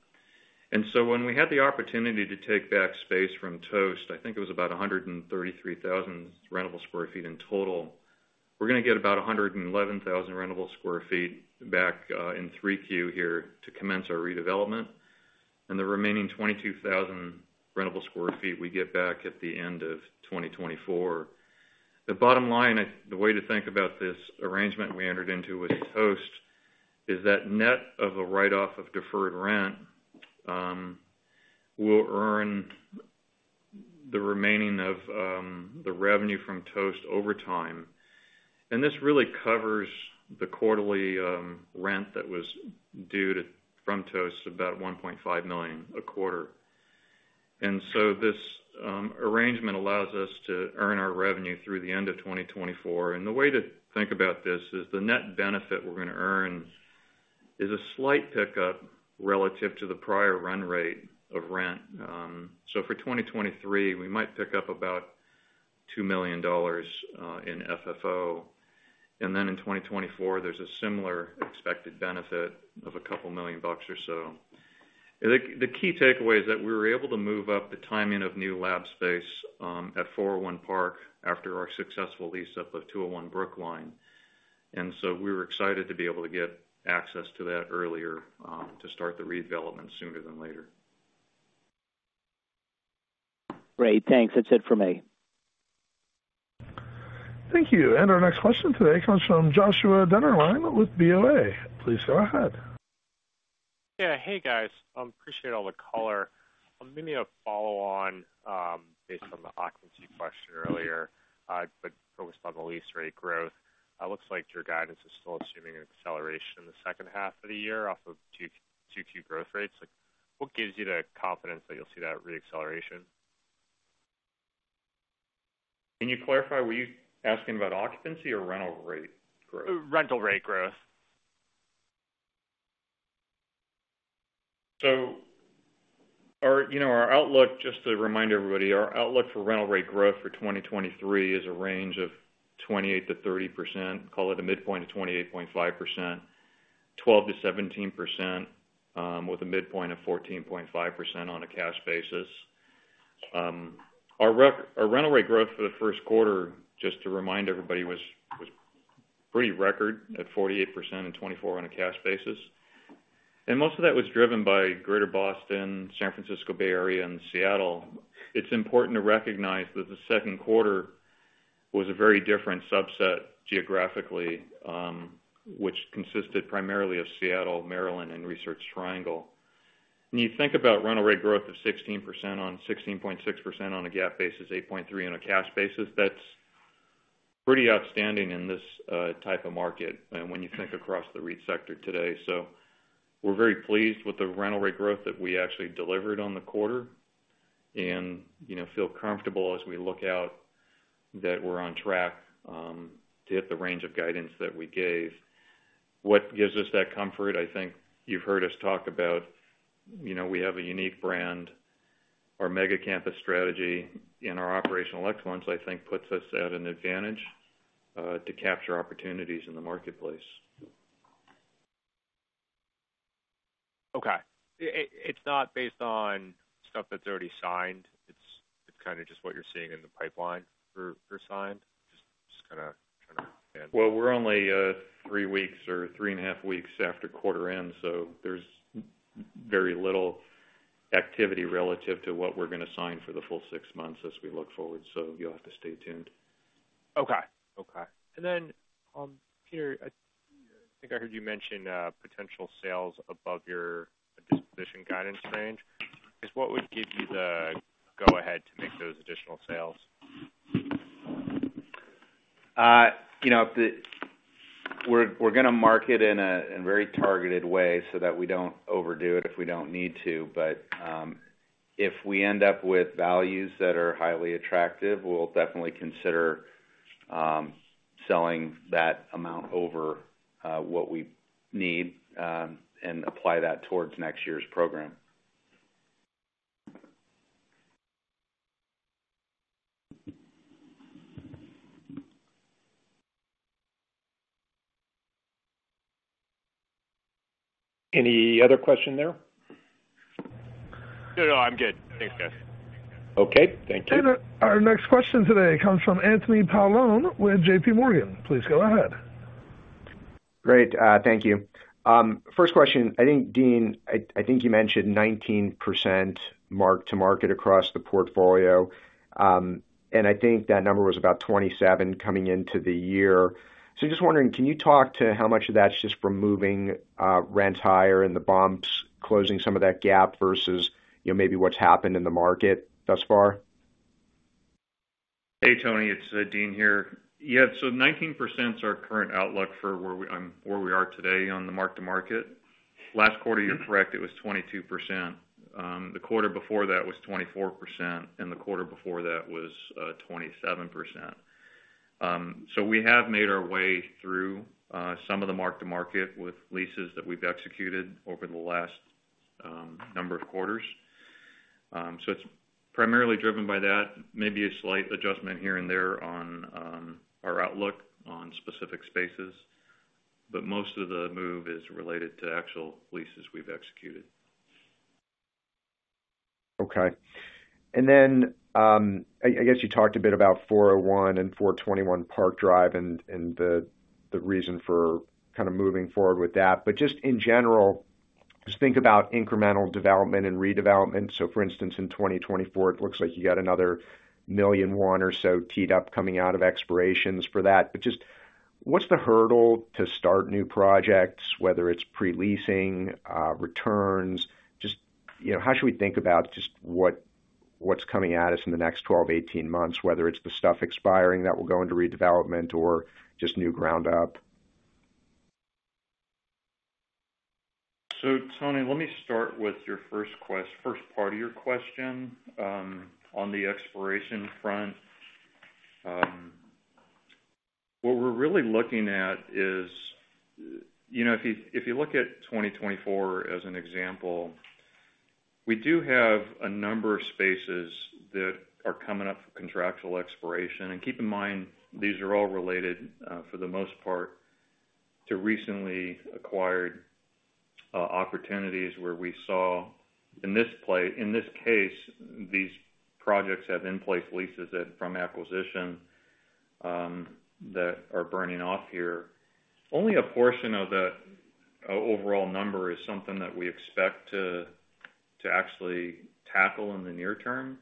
When we had the opportunity to take back space from Toast, I think it was about 133,000 rentable sq ft in total. We're going to get about 111,000 rentable sq ft back in 3Q here to commence our redevelopment, and the remaining 22,000 rentable sq ft, we get back at the end of 2024. The bottom line, the way to think about this arrangement we entered into with Toast, is that net of a write-off of deferred rent, will earn the remaining of the revenue from Toast over time. This really covers the quarterly rent that was from Toast, about $1.5 million a quarter. This arrangement allows us to earn our revenue through the end of 2024. The way to think about this is, the net benefit we're gonna earn is a slight pickup relative to the prior run rate of rent. For 2023, we might pick up about $2 million in FFO. Then in 2024, there's a similar expected benefit of a couple million bucks or so. The key takeaway is that we were able to move up the timing of new lab space, at 401 Park after our successful lease up of 201 Brookline. We were excited to be able to get access to that earlier, to start the redevelopment sooner than later. Great. Thanks. That's it for me. Thank you. Our next question today comes from Joshua Dennerlein with BofA. Please go ahead. Yeah, hey, guys. Appreciate all the color. Maybe a follow-on based on the occupancy question earlier, focused on the lease rate growth. Looks like your guidance is still assuming an acceleration in the second half of the year off of 2, 2Q growth rates. Like, what gives you the confidence that you'll see that reacceleration? Can you clarify, were you asking about occupancy or rental rate growth? rental rate growth. Our, you know, our outlook, just to remind everybody, our outlook for rental rate growth for 2023 is a range of 28%-30%, call it a midpoint of 28.5%, 12%-17%, with a midpoint of 14.5% on a cash basis. Our rental rate growth for the first quarter, just to remind everybody, was pretty record at 48% and 24% on a cash basis. Most of that was driven by Greater Boston, San Francisco, Bay Area, and Seattle. It's important to recognize that the second quarter was a very different subset geographically, which consisted primarily of Seattle, Maryland, and Research Triangle. When you think about rental rate growth of 16% on 16.6% on a GAAP basis, 8.3% on a cash basis, that's pretty outstanding in this type of market and when you think across the REIT sector today. We're very pleased with the rental rate growth that we actually delivered on the quarter and, you know, feel comfortable as we look out, that we're on track to hit the range of guidance that we gave. What gives us that comfort? I think you've heard us talk about, you know, we have a unique brand. Our mega campus strategy and our operational excellence, I think, puts us at an advantage to capture opportunities in the marketplace. Okay. It's not based on stuff that's already signed, it's kind of just what you're seeing in the pipeline for signed? Just kinda trying to understand. We're only, three weeks or three and a half weeks after quarter end, so there's very little activity relative to what we're going to sign for the full six months as we look forward. You'll have to stay tuned. Okay. Okay. Peter, I think I heard you mention, potential sales above your disposition guidance range. Just what would give you the go ahead to make those additional sales? you know, we're gonna market in a, in a very targeted way so that we don't overdo it if we don't need to. If we end up with values that are highly attractive, we'll definitely consider selling that amount over what we need and apply that towards next year's program. Any other question there? No, no, I'm good. Thanks, guys. Okay, thank you. Our next question today comes from Anthony Paolone with JPMorgan. Please go ahead. Great. Thank you. First question. I think, Dean, I think you mentioned 19% mark-to-market across the portfolio, and I think that number was about 27% coming into the year. Just wondering, can you talk to how much of that's just from moving, rent higher and the bumps, closing some of that gap versus, you know, maybe what's happened in the market thus far? Hey, Tony, it's Dean here. 19% is our current outlook for where we are today on the mark-to-market. Last quarter, you're correct, it was 22%. The quarter before that was 24%, the quarter before that was 27%. We have made our way through some of the mark-to-market with leases that we've executed over the last number of quarters. It's primarily driven by that. Maybe a slight adjustment here and there on our outlook on specific spaces, but most of the move is related to actual leases we've executed. Okay. I guess you talked a bit about 401 and 421 Park Drive and the reason for kind of moving forward with that. Just in general, just think about incremental development and redevelopment. For instance, in 2024, it looks like you got another $1.1 million or so teed up, coming out of expirations for that. Just what's the hurdle to start new projects, whether it's pre-leasing, returns? Just, you know, how should we think about just what's coming at us in the next 12 to 18 months, whether it's the stuff expiring that will go into redevelopment or just new ground up? Tony, let me start with your first part of your question on the expiration front. What we're really looking at is. You know, if you look at 2024 as an example, we do have a number of spaces that are coming up for contractual expiration. Keep in mind, these are all related, for the most part, to recently acquired opportunities where we saw in this case, these projects have in-place leases that from acquisition, that are burning off here. Only a portion of the overall number is something that we expect to actually tackle in the near term.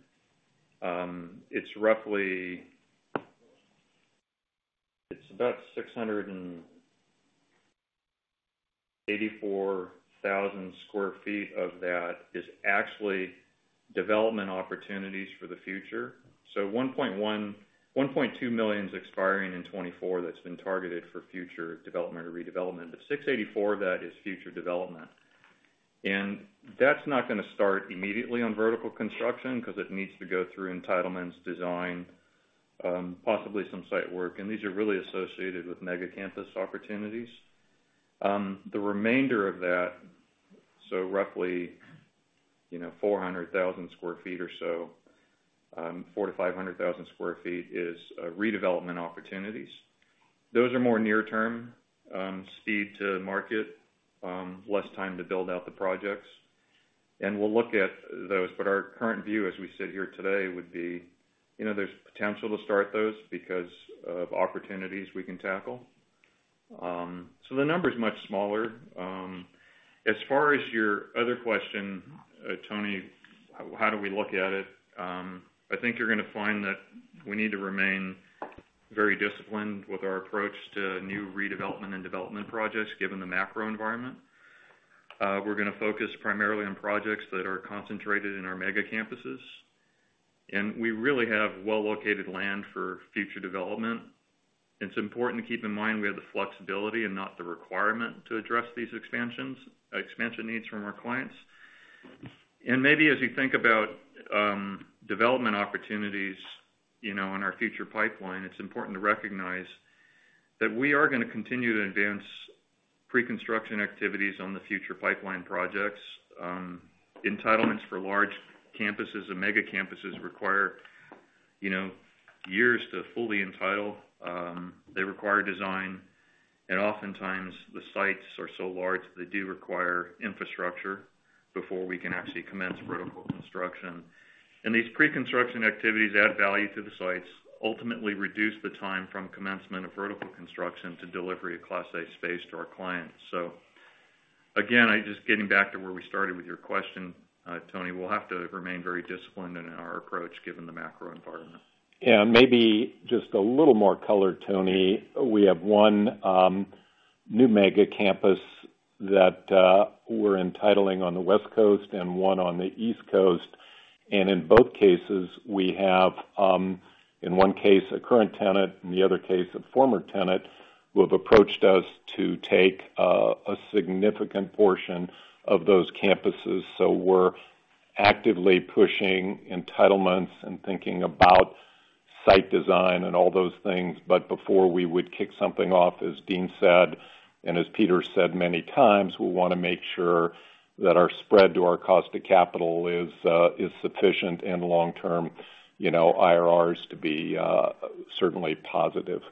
It's about 684,000 sq ft of that is actually development opportunities for the future. One point two million sq ft is expiring in 2024 that's been targeted for future development or redevelopment, but 684,000 sq ft of that is future development. That's not gonna start immediately on vertical construction, 'cause it needs to go through entitlements, design, possibly some site work, and these are really associated with mega-campus opportunities. The remainder of that, so roughly, you know, 400,000 sq ft or so, 400,000-500,000 sq ft, is redevelopment opportunities. Those are more near term, speed to market, less time to build out the projects. We'll look at those, but our current view as we sit here today, would be, you know, there's potential to start those because of opportunities we can tackle. So the number is much smaller. As far as your other question, Tony, how do we look at it? I think you're gonna find that we need to remain very disciplined with our approach to new redevelopment and development projects, given the macro environment. We're gonna focus primarily on projects that are concentrated in our mega campuses, and we really have well-located land for future development. It's important to keep in mind we have the flexibility and not the requirement to address these expansion needs from our clients. Maybe as you think about, development opportunities, you know, in our future pipeline, it's important to recognize that we are gonna continue to advance pre-construction activities on the future pipeline projects. Entitlements for large campuses and mega campuses require, you know, years to fully entitle. They require design, oftentimes the sites are so large they do require infrastructure before we can actually commence vertical construction. These pre-construction activities add value to the sites, ultimately reduce the time from commencement of vertical construction to delivery of Class A space to our clients. Again, I just getting back to where we started with your question, Tony, we'll have to remain very disciplined in our approach, given the macro environment. Yeah, maybe just a little more color, Tony. We have one new mega campus that we're entitling on the West Coast and one on the East Coast, and in both cases, we have, in one case, a current tenant, in the other case, a former tenant, who have approached us to take a significant portion of those campuses. We're actively pushing entitlements and thinking about site design and all those things. Before we would kick something off, as Dean said, and as Peter said many times, we wanna make sure that our spread to our cost to capital is sufficient and long-term, you know, IRRs to be certainly positive.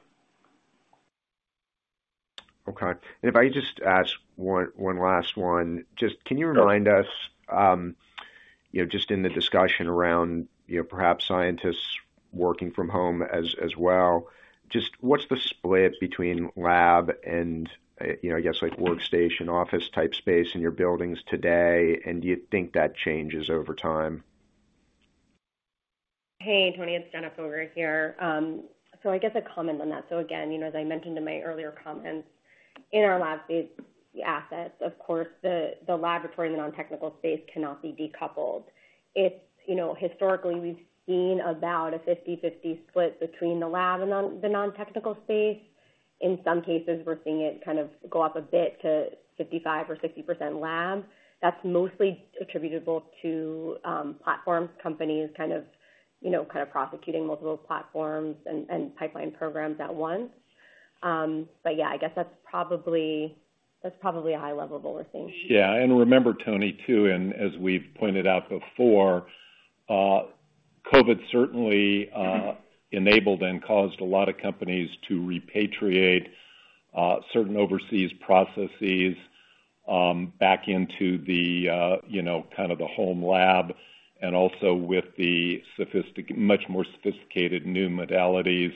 Okay. If I could just ask one last one. Sure. Just can you remind us, you know, just in the discussion around, you know, perhaps scientists working from home as well, just what's the split between lab and, you know, I guess like workstation, office type space in your buildings today, and do you think that changes over time? Hey, Tony, it's Jenna Foger here. I guess I'll comment on that. Again, you know, as I mentioned in my earlier comments, in our lab space assets, of course, the laboratory and the non-technical space cannot be decoupled. you know, historically, we've seen about a 50-50 split between the lab and non-technical space. In some cases, we're seeing it kind of go up a bit to 55% or 60% lab. That's mostly attributable to platforms, companies kind of, you know, kind of prosecuting multiple platforms and pipeline programs at once. Yeah, I guess that's probably a high level of what we're seeing. Yeah, remember, Tony, too, and as we've pointed out before, COVID certainly enabled and caused a lot of companies to repatriate certain overseas processes back into the, you know, kind of the home lab, and also with the much more sophisticated new modalities,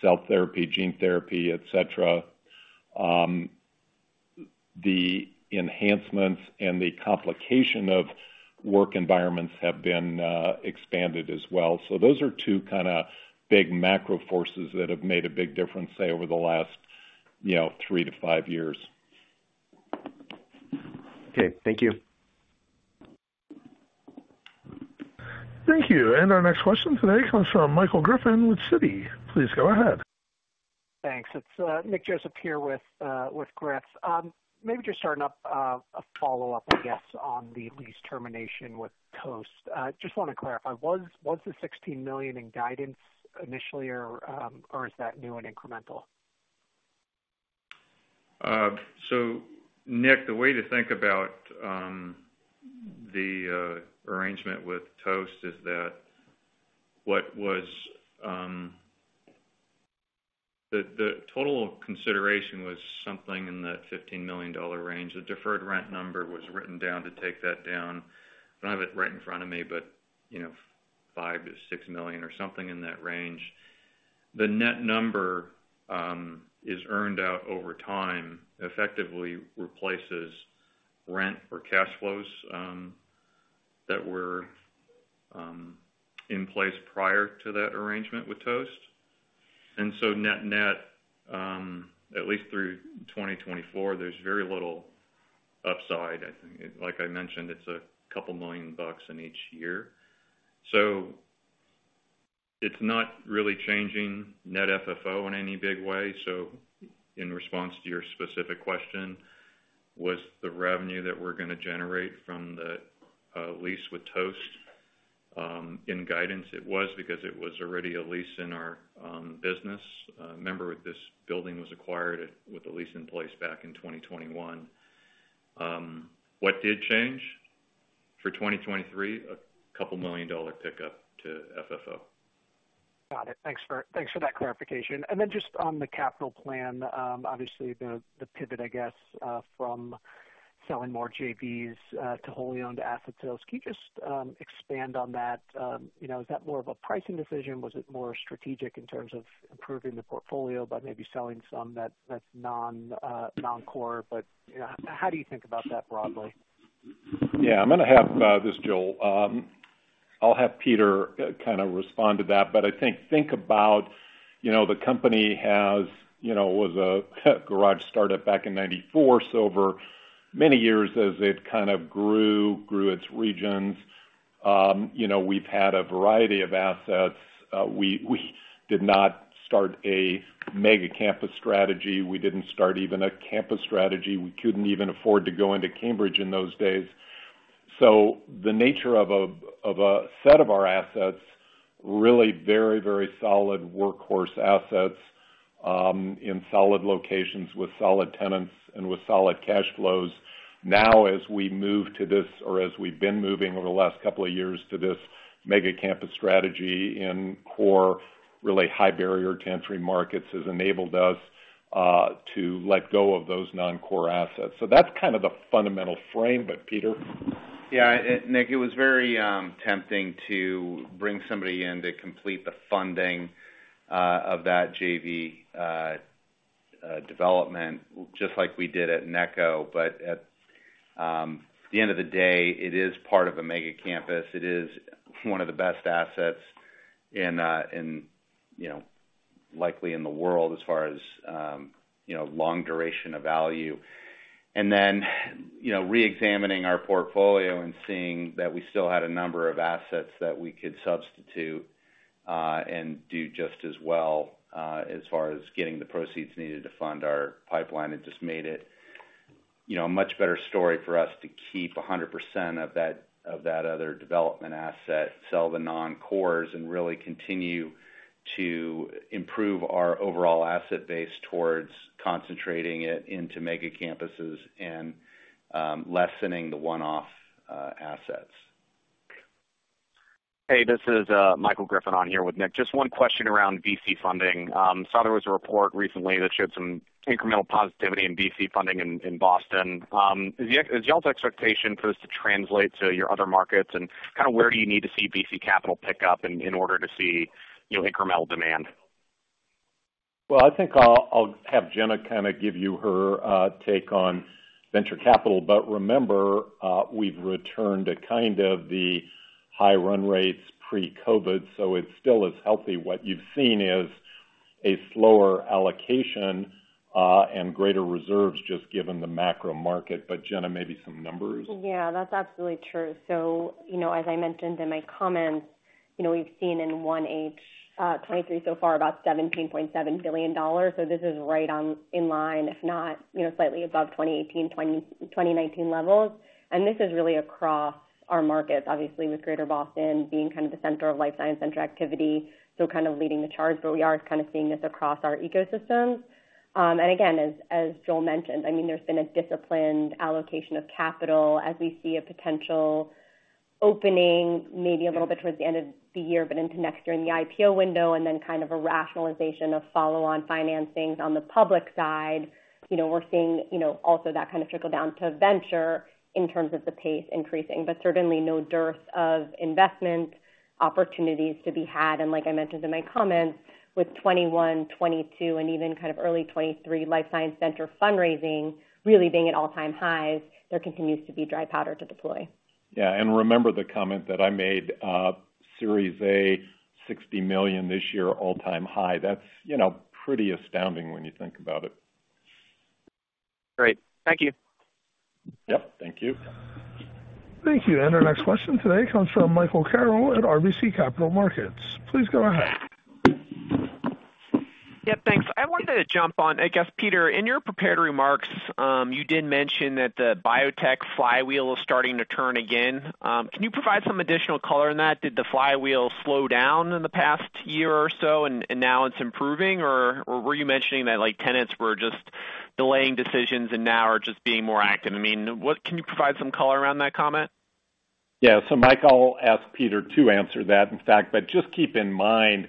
cell therapy, gene therapy, et cetera. The enhancements and the complication of work environments have been expanded as well. Those are two kinda big macro forces that have made a big difference, say, over the last, you know, 3-5 years. Okay, thank you. Thank you. Our next question today comes from Michael Griffin with Citi. Please go ahead. Thanks. It's Nick Joseph here with Griff. Maybe just starting up a follow-up, I guess, on the lease termination with Toast. Just wanna clarify, was the $16 million in guidance initially, or is that new and incremental? Nick, the way to think about the arrangement with Toast is that the total consideration was something in that $15 million range. The deferred rent number was written down to take that down. I don't have it right in front of me, but, you know, $5 million-$6 million or something in that range. The net number is earned out over time, effectively replaces rent or cash flows that were in place prior to that arrangement with Toast. Net net, at least through 2024, there's very little upside. I think, like I mentioned, it's a couple million bucks in each year. It's not really changing net FFO in any big way. In response to your specific question, was the revenue that we're gonna generate from the lease with Toast in guidance? It was, because it was already a lease in our business. Remember, this building was acquired with a lease in place back in 2021. What did change? For 2023, a couple million dollar pickup to FFO. Got it. Thanks for that clarification. Just on the capital plan, obviously, the pivot, I guess, from selling more JVs to wholly owned asset sales. Can you just expand on that? You know, is that more of a pricing decision? Was it more strategic in terms of improving the portfolio by maybe selling some that's non-core? You know, how do you think about that broadly? I'm gonna have this Joel. I'll have Peter kind of respond to that. I think about, you know, the company has, you know, was a garage startup back in 1994. Over many years, as it kind of grew its regions, you know, we've had a variety of assets. We did not start a mega campus strategy. We didn't start even a campus strategy. We couldn't even afford to go into Cambridge in those days. The nature of a set of our assets, really very, very solid workhorse assets, in solid locations with solid tenants and with solid cash flows. As we've been moving over the last couple of years to this mega campus strategy in core, really high barrier to entry markets, has enabled us to let go of those non-core assets. That's kind of the fundamental frame, but Peter? Yeah, Nick, it was very tempting to bring somebody in to complete the funding of that JV development, just like we did at Necco. At the end of the day, it is part of a mega campus. It is one of the best assets in, you know, likely in the world as far as, you know, long duration of value. You know, reexamining our portfolio and seeing that we still had a number of assets that we could substitute, and do just as well, as far as getting the proceeds needed to fund our pipeline, it just made it, you know, a much better story for us to keep 100% of that other development asset, sell the non-cores, and really continue to improve our overall asset base towards concentrating it into mega campuses and lessening the one-off assets. Hey, this is Michael Griffin on here with Nick. Just one question around VC funding. Saw there was a report recently that showed some incremental positivity in VC funding in Boston. Is y'all's expectation for this to translate to your other markets? Kind of where do you need to see VC capital pick up in order to see, you know, incremental demand? Well, I think I'll have Jenna kind of give you her take on venture capital, but remember, we've returned to kind of the high run rates pre-COVID, so it still is healthy. What you've seen is a slower allocation, and greater reserves, just given the macro market. Jenna, maybe some numbers. Yeah, that's absolutely true. You know, as I mentioned in my comments, you know, we've seen in 1H 23 so far, about $17.7 billion. This is right on, in line, if not, you know, slightly above 2018, 2019 levels. This is really across our markets, obviously, with Greater Boston being kind of the center of life science center activity, so kind of leading the charge, but we are kind of seeing this across our ecosystems. Again, as Joel mentioned, I mean, there's been a disciplined allocation of capital as we see a potential opening, maybe a little bit towards the end of the year, but into next year in the IPO window, and then kind of a rationalization of follow-on financings on the public side. You know, we're seeing, you know, also that kind of trickle down to venture in terms of the pace increasing, but certainly no dearth of investment opportunities to be had. Like I mentioned in my comments, with 2021, 2022, and even kind of early 2023, life science center fundraising really being at all-time highs, there continues to be dry powder to deploy. Yeah, remember the comment that I made, Series A, $60 million this year, all-time high. That's, you know, pretty astounding when you think about it. Great. Thank you. Yep, thank you. Thank you. Our next question today comes from Michael Carroll at RBC Capital Markets. Please go ahead. Yeah, thanks. I wanted to jump on... I guess, Peter, in your prepared remarks, you did mention that the biotech flywheel is starting to turn again. Can you provide some additional color on that? Did the flywheel slow down in the past year or so, and now it's improving? Or were you mentioning that like, tenants were just delaying decisions and now are just being more active? I mean, can you provide some color around that comment? Mike, I'll ask Peter to answer that, in fact, but just keep in mind,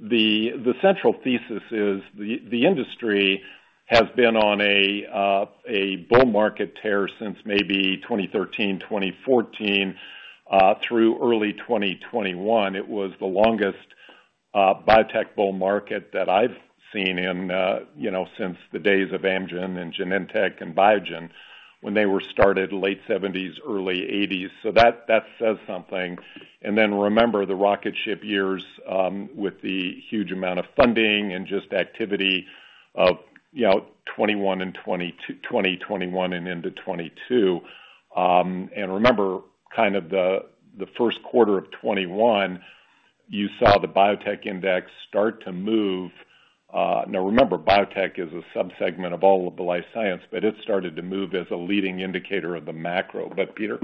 the central thesis is the industry has been on a bull market tear since maybe 2013, 2014, through early 2021. It was the longest biotech bull market that I've seen in, you know, since the days of Amgen and Genentech and Biogen when they were started late 1970s, early 1980s. That, that says something. Then remember, the rocket ship years, with the huge amount of funding and just activity of, you know, 2021 and into 2022. Remember, kind of the first quarter of 2021, you saw the biotech index start to move. Remember, biotech is a subsegment of all of the life science, but it started to move as a leading indicator of the macro. Peter?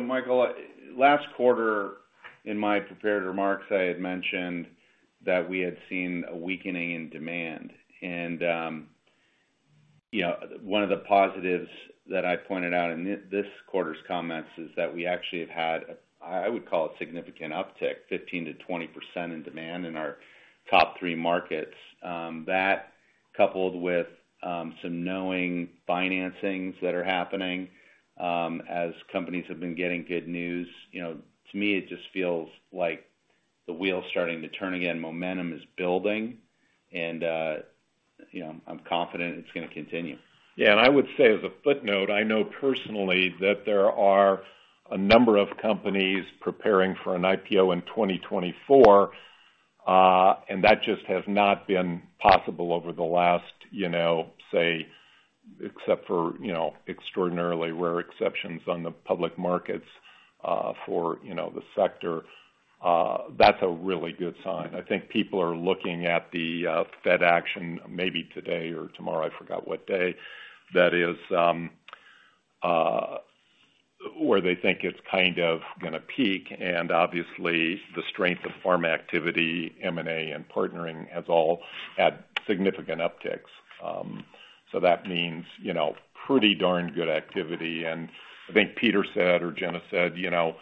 Michael, last quarter, in my prepared remarks, I had mentioned that we had seen a weakening in demand. You know, one of the positives that I pointed out in this quarter's comments is that we actually have had, I would call it significant uptick, 15%-20% in demand in our top three markets. That coupled with some knowing financings that are happening, as companies have been getting good news, you know, to me, it just feels like the wheel's starting to turn again, momentum is building, and you know, I'm confident it's gonna continue. Yeah, I would say as a footnote, I know personally that there are a number of companies preparing for an IPO in 2024, and that just has not been possible over the last, you know, say, except for, you know, extraordinarily rare exceptions on the public markets for, you know, the sector. That's a really good sign. I think people are looking at the Fed action maybe today or tomorrow, I forgot what day that is, where they think it's kind of gonna peak. Obviously, the strength of pharma activity, M&A, and partnering has all had significant upticks. That means, you know, pretty darn good activity. I think Peter said or Jenna said, you know,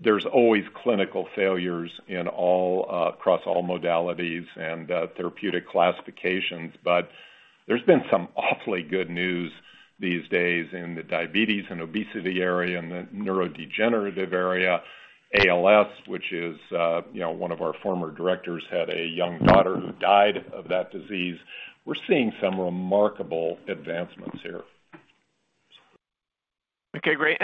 there's always clinical failures in all across all modalities and therapeutic classifications, but there's been some awfully good news these days in the diabetes and obesity area and the neurodegenerative area, ALS, which is, you know, one of our former directors had a young daughter who died of that disease. We're seeing some remarkable advancements here. Okay, great.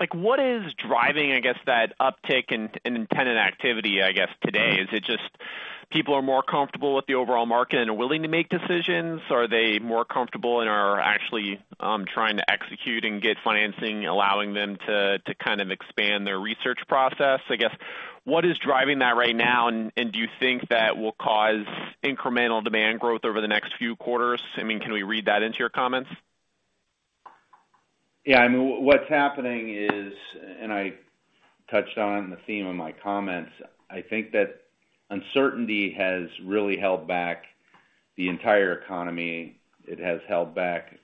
Like, what is driving, I guess, that uptick in tenant activity, I guess, today? Is it just people are more comfortable with the overall market and are willing to make decisions? Are they more comfortable and are actually trying to execute and get financing, allowing them to kind of expand their research process? I guess, what is driving that right now, and do you think that will cause incremental demand growth over the next few quarters? I mean, can we read that into your comments? I mean, what's happening is, I touched on in the theme of my comments, I think that uncertainty has really held back the entire economy. It has held back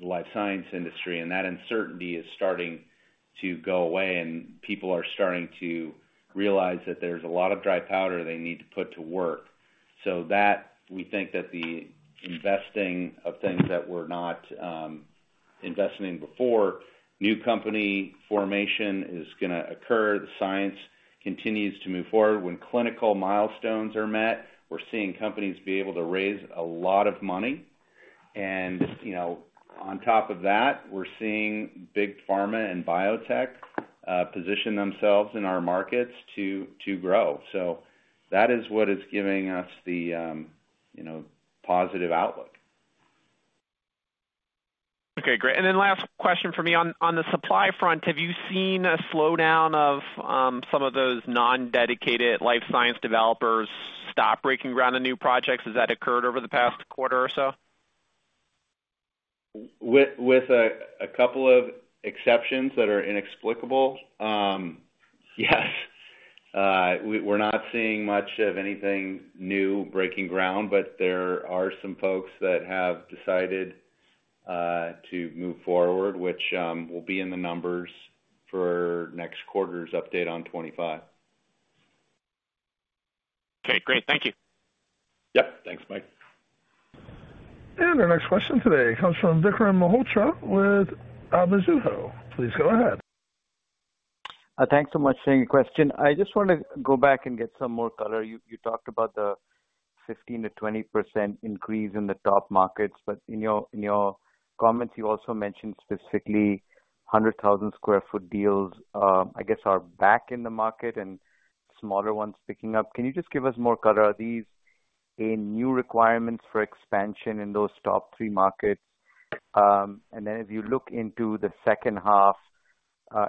the life science industry. That uncertainty is starting to go away, and people are starting to realize that there's a lot of dry powder they need to put to work. That we think that the investing of things that we're not investing in before, new company formation is gonna occur. The science continues to move forward. When clinical milestones are met, we're seeing companies be able to raise a lot of money. You know, on top of that, we're seeing big pharma and biotech position themselves in our markets to grow. That is what is giving us the, you know, positive outlook. Okay, great. Then last question for me. On the supply front, have you seen a slowdown of, some of those non-dedicated life science developers stop breaking ground on new projects? Has that occurred over the past quarter or so? With a couple of exceptions that are inexplicable, yes. We're not seeing much of anything new breaking ground, but there are some folks that have decided to move forward, which will be in the numbers for next quarter's update on 25. Okay, great. Thank you. Yep. Thanks, Mike. Our next question today comes from Vikram Malhotra with Mizuho. Please go ahead. Thanks so much for taking the question. I just want to go back and get some more color. You talked about the 15%-20% increase in the top markets, but in your, in your comments, you also mentioned specifically 100,000 sq ft deals, I guess, are back in the market and smaller ones picking up. Can you just give us more color? Are these a new requirements for expansion in those top three markets? As you look into the second half,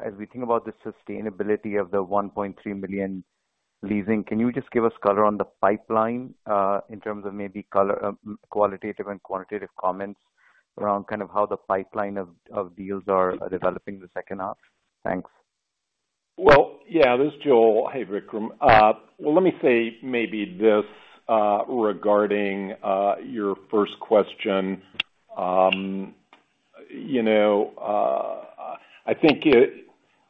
as we think about the sustainability of the $1.3 million leasing, can you just give us color on the pipeline, in terms of maybe color, qualitative and quantitative comments around kind of how the pipeline of deals are developing in the second half? Thanks. Well, yeah, this is Joel. Hey, Vikram. Well, let me say maybe this regarding your first question. You know, I think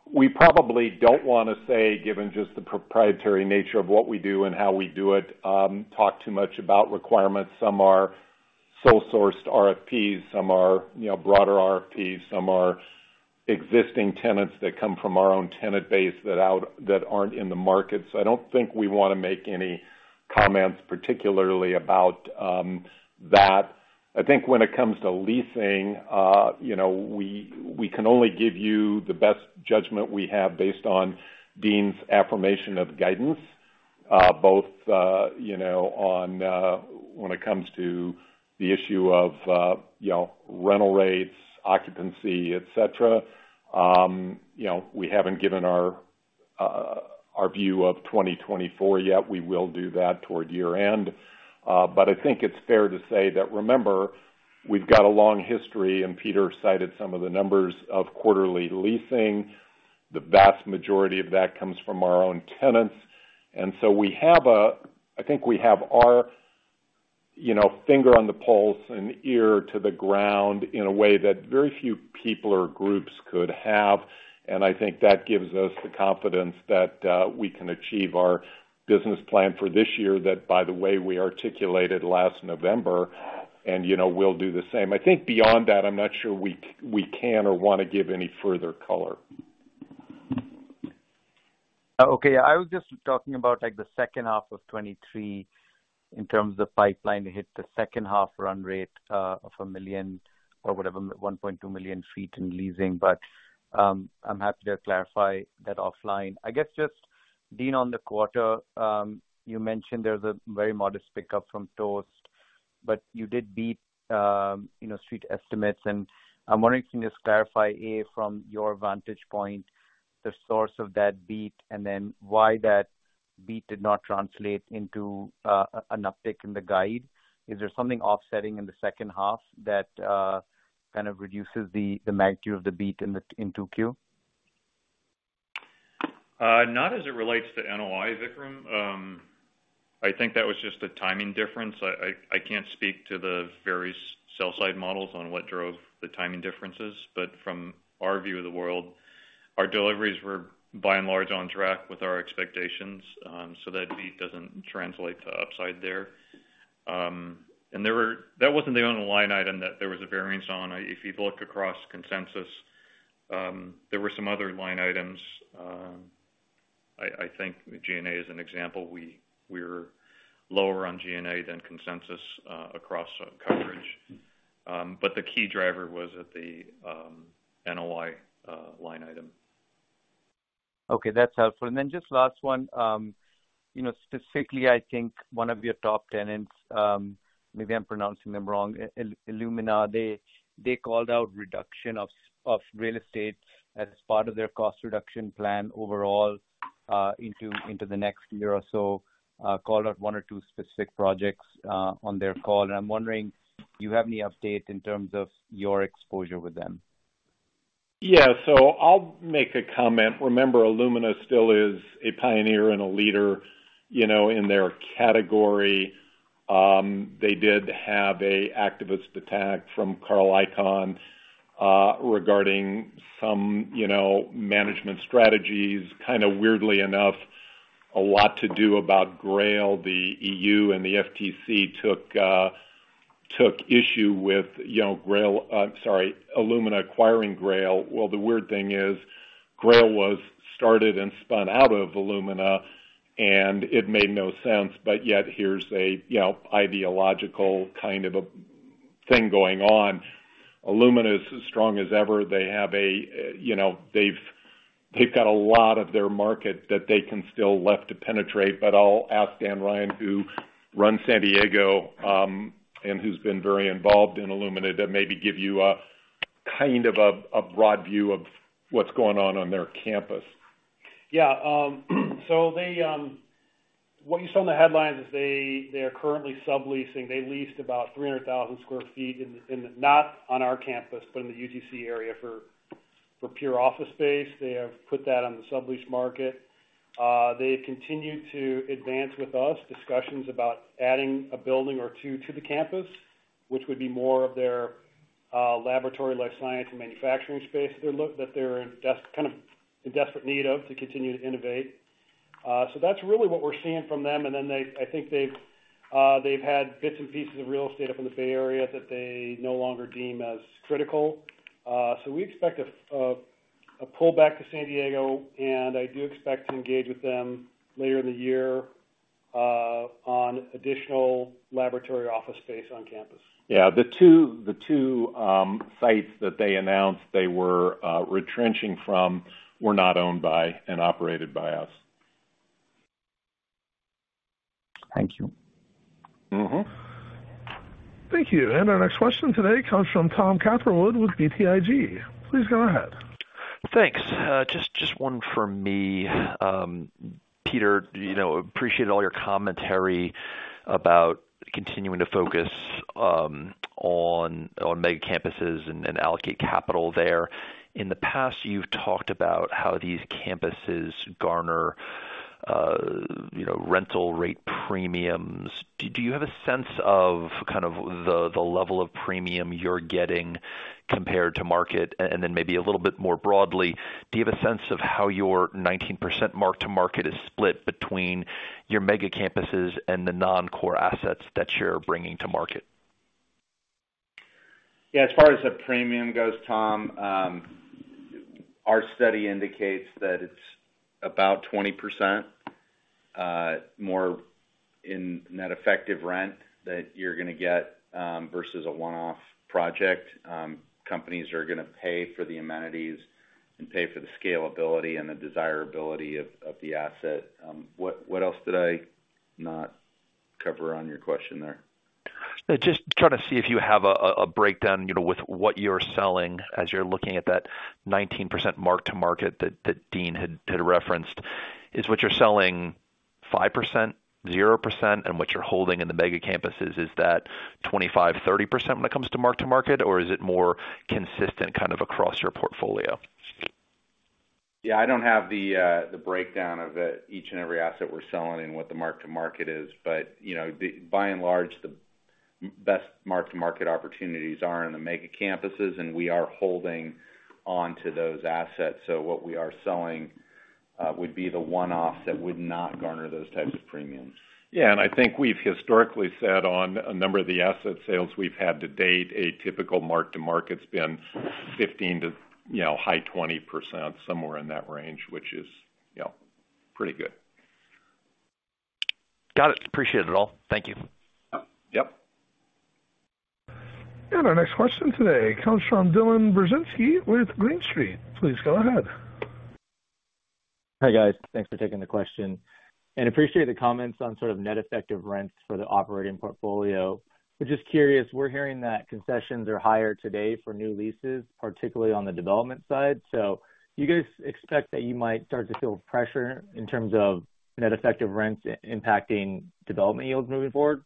we probably don't wanna say, given just the proprietary nature of what we do and how we do it, talk too much about requirements. Some are sole sourced RFPs, some are, you know, broader RFPs, some are existing tenants that come from our own tenant base that aren't in the market. I don't think we wanna make any comments, particularly about that. I think when it comes to leasing, you know, we can only give you the best judgment we have based on Dean's affirmation of guidance.... both, you know, on, when it comes to the issue of, you know, rental rates, occupancy, et cetera. You know, we haven't given our view of 2024 yet. We will do that toward year-end. I think it's fair to say that, remember, we've got a long history, and Peter cited some of the numbers of quarterly leasing. The vast majority of that comes from our own tenants, and so we have our, you know, finger on the pulse and ear to the ground in a way that very few people or groups could have. I think that gives us the confidence that we can achieve our business plan for this year, that, by the way, we articulated last November, and, you know, we'll do the same. I think beyond that, I'm not sure we can or want to give any further color. I was just talking about, like, the second half of 2023 in terms of pipeline to hit the second half run rate of 1 million or whatever, 1.2 million sq ft in leasing. I'm happy to clarify that offline. I guess, just Dean, on the quarter, you mentioned there's a very modest pickup from Toast, you did beat, you know, street estimates. I'm wondering, can you clarify, A, from your vantage point, the source of that beat, and then why that beat did not translate into an uptick in the guide? Is there something offsetting in the second half that kind of reduces the magnitude of the beat in the 2Q? Not as it relates to NOI, Vikram. I think that was just a timing difference. I can't speak to the various sell side models on what drove the timing differences, but from our view of the world, our deliveries were by and large, on track with our expectations. That beat doesn't translate to upside there. That wasn't the only line item that there was a variance on. If you look across consensus, there were some other line items. I think G&A is an example. We're lower on G&A than consensus, across coverage. The key driver was at the NOI line item. Okay, that's helpful. Just last one. You know, specifically, I think one of your top tenants, maybe I'm pronouncing them wrong, Illumina. They called out reduction of real estate as part of their cost reduction plan overall into the next year or so. Called out 1 or 2 specific projects on their call. I'm wondering, do you have any updates in terms of your exposure with them? I'll make a comment. Remember, Illumina still is a pioneer and a leader, you know, in their category. They did have a activist attack from Carl Icahn, regarding some, you know, management strategies. Kind of weirdly enough, a lot to do about GRAIL. The EU and the FTC took issue with, you know, GRAIL, sorry, Illumina acquiring GRAIL. The weird thing is, GRAIL was started and spun out of Illumina, and it made no sense, but yet here's a, you know, ideological kind of a thing going on. Illumina is as strong as ever. They have a, you know, they've got a lot of their market that they can still left to penetrate. I'll ask Dan Ryan, who runs San Diego, and who's been very involved in Illumina, to maybe give you a kind of a broad view of what's going on on their campus. What you saw in the headlines is they are currently subleasing. They leased about 300,000 sq ft in the, not on our campus, but in the UTC area for pure office space. They have put that on the sublease market. They've continued to advance with us discussions about adding a building or two to the campus, which would be more of their laboratory life science and manufacturing space. They're in desperate need of to continue to innovate. That's really what we're seeing from them. They, I think they've had bits and pieces of real estate up in the Bay Area that they no longer deem as critical. We expect a pullback to San Diego, and I do expect to engage with them later in the year on additional laboratory office space on campus. Yeah, the two sites that they announced they were retrenching from, were not owned by and operated by us. Thank you. Mm-hmm. Thank you. Our next question today comes from Tom Catherwood with BTIG. Please go ahead. Thanks. Just one for me. Peter, you know, appreciate all your commentary about continuing to focus on mega campuses and allocate capital there. In the past, you've talked about how these campuses garner, you know, rental rate premiums. Do you have a sense of kind of the level of premium you're getting compared to market? Then maybe a little bit more broadly, do you have a sense of how your 19% mark to market is split between your mega campuses and the non-core assets that you're bringing to market? Yeah, as far as the premium goes, Tom, our study indicates that it's about 20%. in net effective rent that you're gonna get, versus a one-off project, companies are gonna pay for the amenities and pay for the scalability and the desirability of the asset. What else did I not cover on your question there? Just trying to see if you have a breakdown, you know, with what you're selling as you're looking at that 19% mark-to-market that Dean had referenced. Is what you're selling 5%, 0%? What you're holding in the mega campuses, is that 25%, 30% when it comes to mark-to-market, or is it more consistent kind of across your portfolio? Yeah, I don't have the breakdown of it, each and every asset we're selling and what the mark-to-market is, but, you know, by and large, the best mark-to-market opportunities are in the mega campuses, and we are holding on to those assets. What we are selling, would be the one-offs that would not garner those types of premiums. Yeah, I think we've historically said on a number of the asset sales we've had to date, a typical mark-to-market's been 15 to, you know, high 20%, somewhere in that range, which is, you know, pretty good. Got it. Appreciate it, all. Thank you. Yep. Our next question today comes from Dylan Burzinski with Green Street. Please go ahead. Hi, guys. Thanks for taking the question. Appreciate the comments on sort of net effective rents for the operating portfolio. Just curious, we're hearing that concessions are higher today for new leases, particularly on the development side. Do you guys expect that you might start to feel pressure in terms of net effective rents impacting development yields moving forward?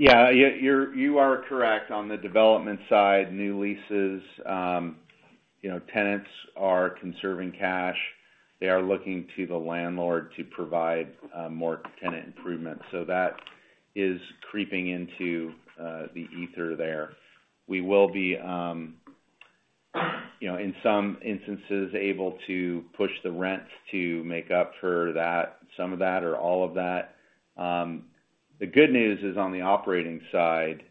Yeah, yeah, you are correct. On the development side, new leases, you know, tenants are conserving cash. They are looking to the landlord to provide more tenant improvements. That is creeping into the ether there. We will be, you know, in some instances, able to push the rents to make up for that, some of that or all of that. The good news is, on the operating side,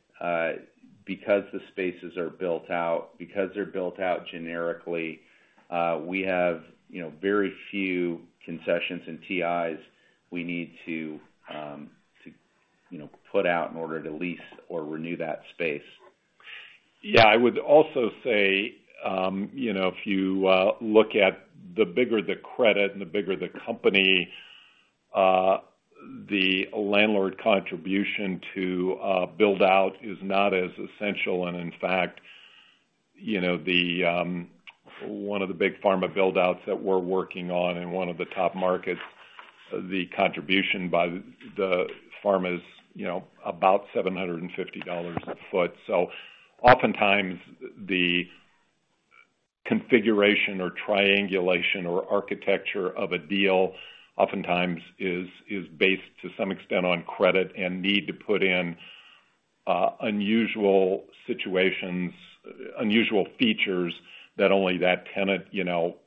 because the spaces are built out, because they're built out generically, we have, you know, very few concessions and TIs we need to, you know, put out in order to lease or renew that space. Yeah, I would also say, you know, if you look at the bigger the credit and the bigger the company, the landlord contribution to build out is not as essential. In fact, you know, one of the big pharma build-outs that we're working on in one of the top markets, the contribution by the pharma is, you know, about $750 a foot. Oftentimes, the configuration or triangulation or architecture of a deal, oftentimes is based to some extent on credit, and need to put in unusual situations, unusual features that only that tenant, you know,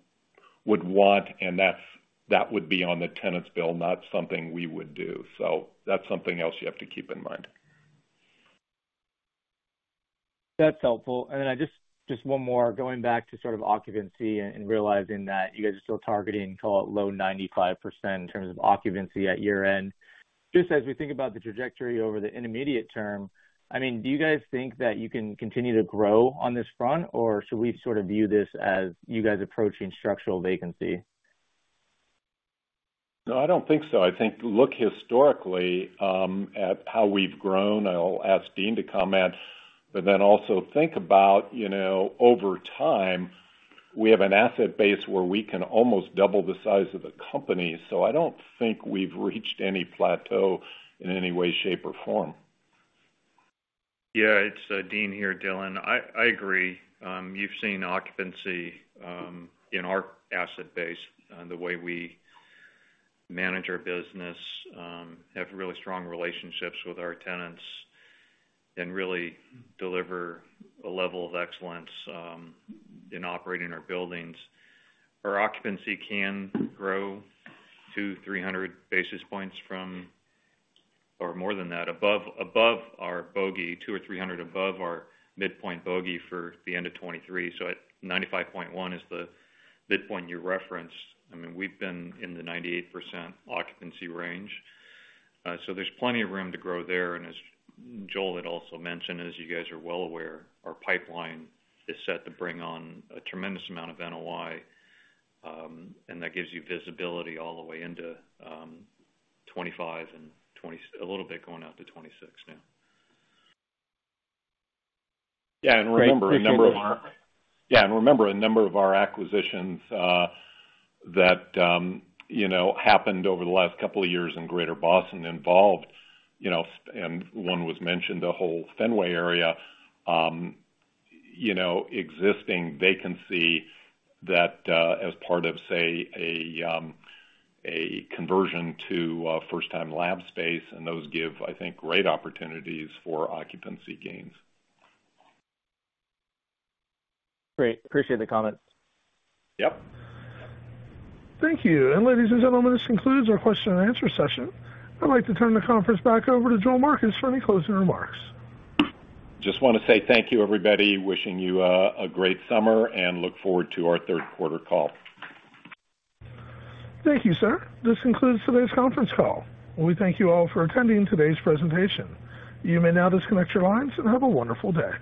would want, and that would be on the tenant's bill, not something we would do. That's something else you have to keep in mind. That's helpful. I just one more, going back to sort of occupancy and realizing that you guys are still targeting call it, low 95% in terms of occupancy at year-end. Just as we think about the trajectory over the intermediate term, I mean, do you guys think that you can continue to grow on this front, or should we sort of view this as you guys approaching structural vacancy? I don't think so. I think, look historically, at how we've grown, and I'll ask Dean to comment, but then also think about, you know, over time, we have an asset base where we can almost double the size of the company. I don't think we've reached any plateau in any way, shape, or form. Yeah, it's Dean here, Dylan. I agree. You've seen occupancy in our asset base, the way we manage our business, have really strong relationships with our tenants and really deliver a level of excellence in operating our buildings. Our occupancy can grow 200-300 basis points or more than that, above our bogey, 200 or 300 above our midpoint bogey for the end of 2023. At 95.1 is the midpoint you referenced. I mean, we've been in the 98% occupancy range, there's plenty of room to grow there. As Joel had also mentioned, as you guys are well aware, our pipeline is set to bring on a tremendous amount of NOI, and that gives you visibility all the way into, 25 and a little bit going out to 26 now. Yeah, remember, a number of... Great. Thank you. Yeah, remember, a number of our acquisitions, that, you know, happened over the last couple of years in Greater Boston involved, you know, and one was mentioned, the whole Fenway area, you know, existing vacancy that, as part of, say, a conversion to, first-time lab space, and those give, I think, great opportunities for occupancy gains. Great. Appreciate the comment. Yep. Thank you. Ladies and gentlemen, this concludes our question and answer session. I'd like to turn the conference back over to Joel Marcus for any closing remarks. Just wanna say thank you, everybody. Wishing you a great summer, and look forward to our third quarter call. Thank you, sir. This concludes today's conference call. We thank you all for attending today's presentation. You may now disconnect your lines, and have a wonderful day.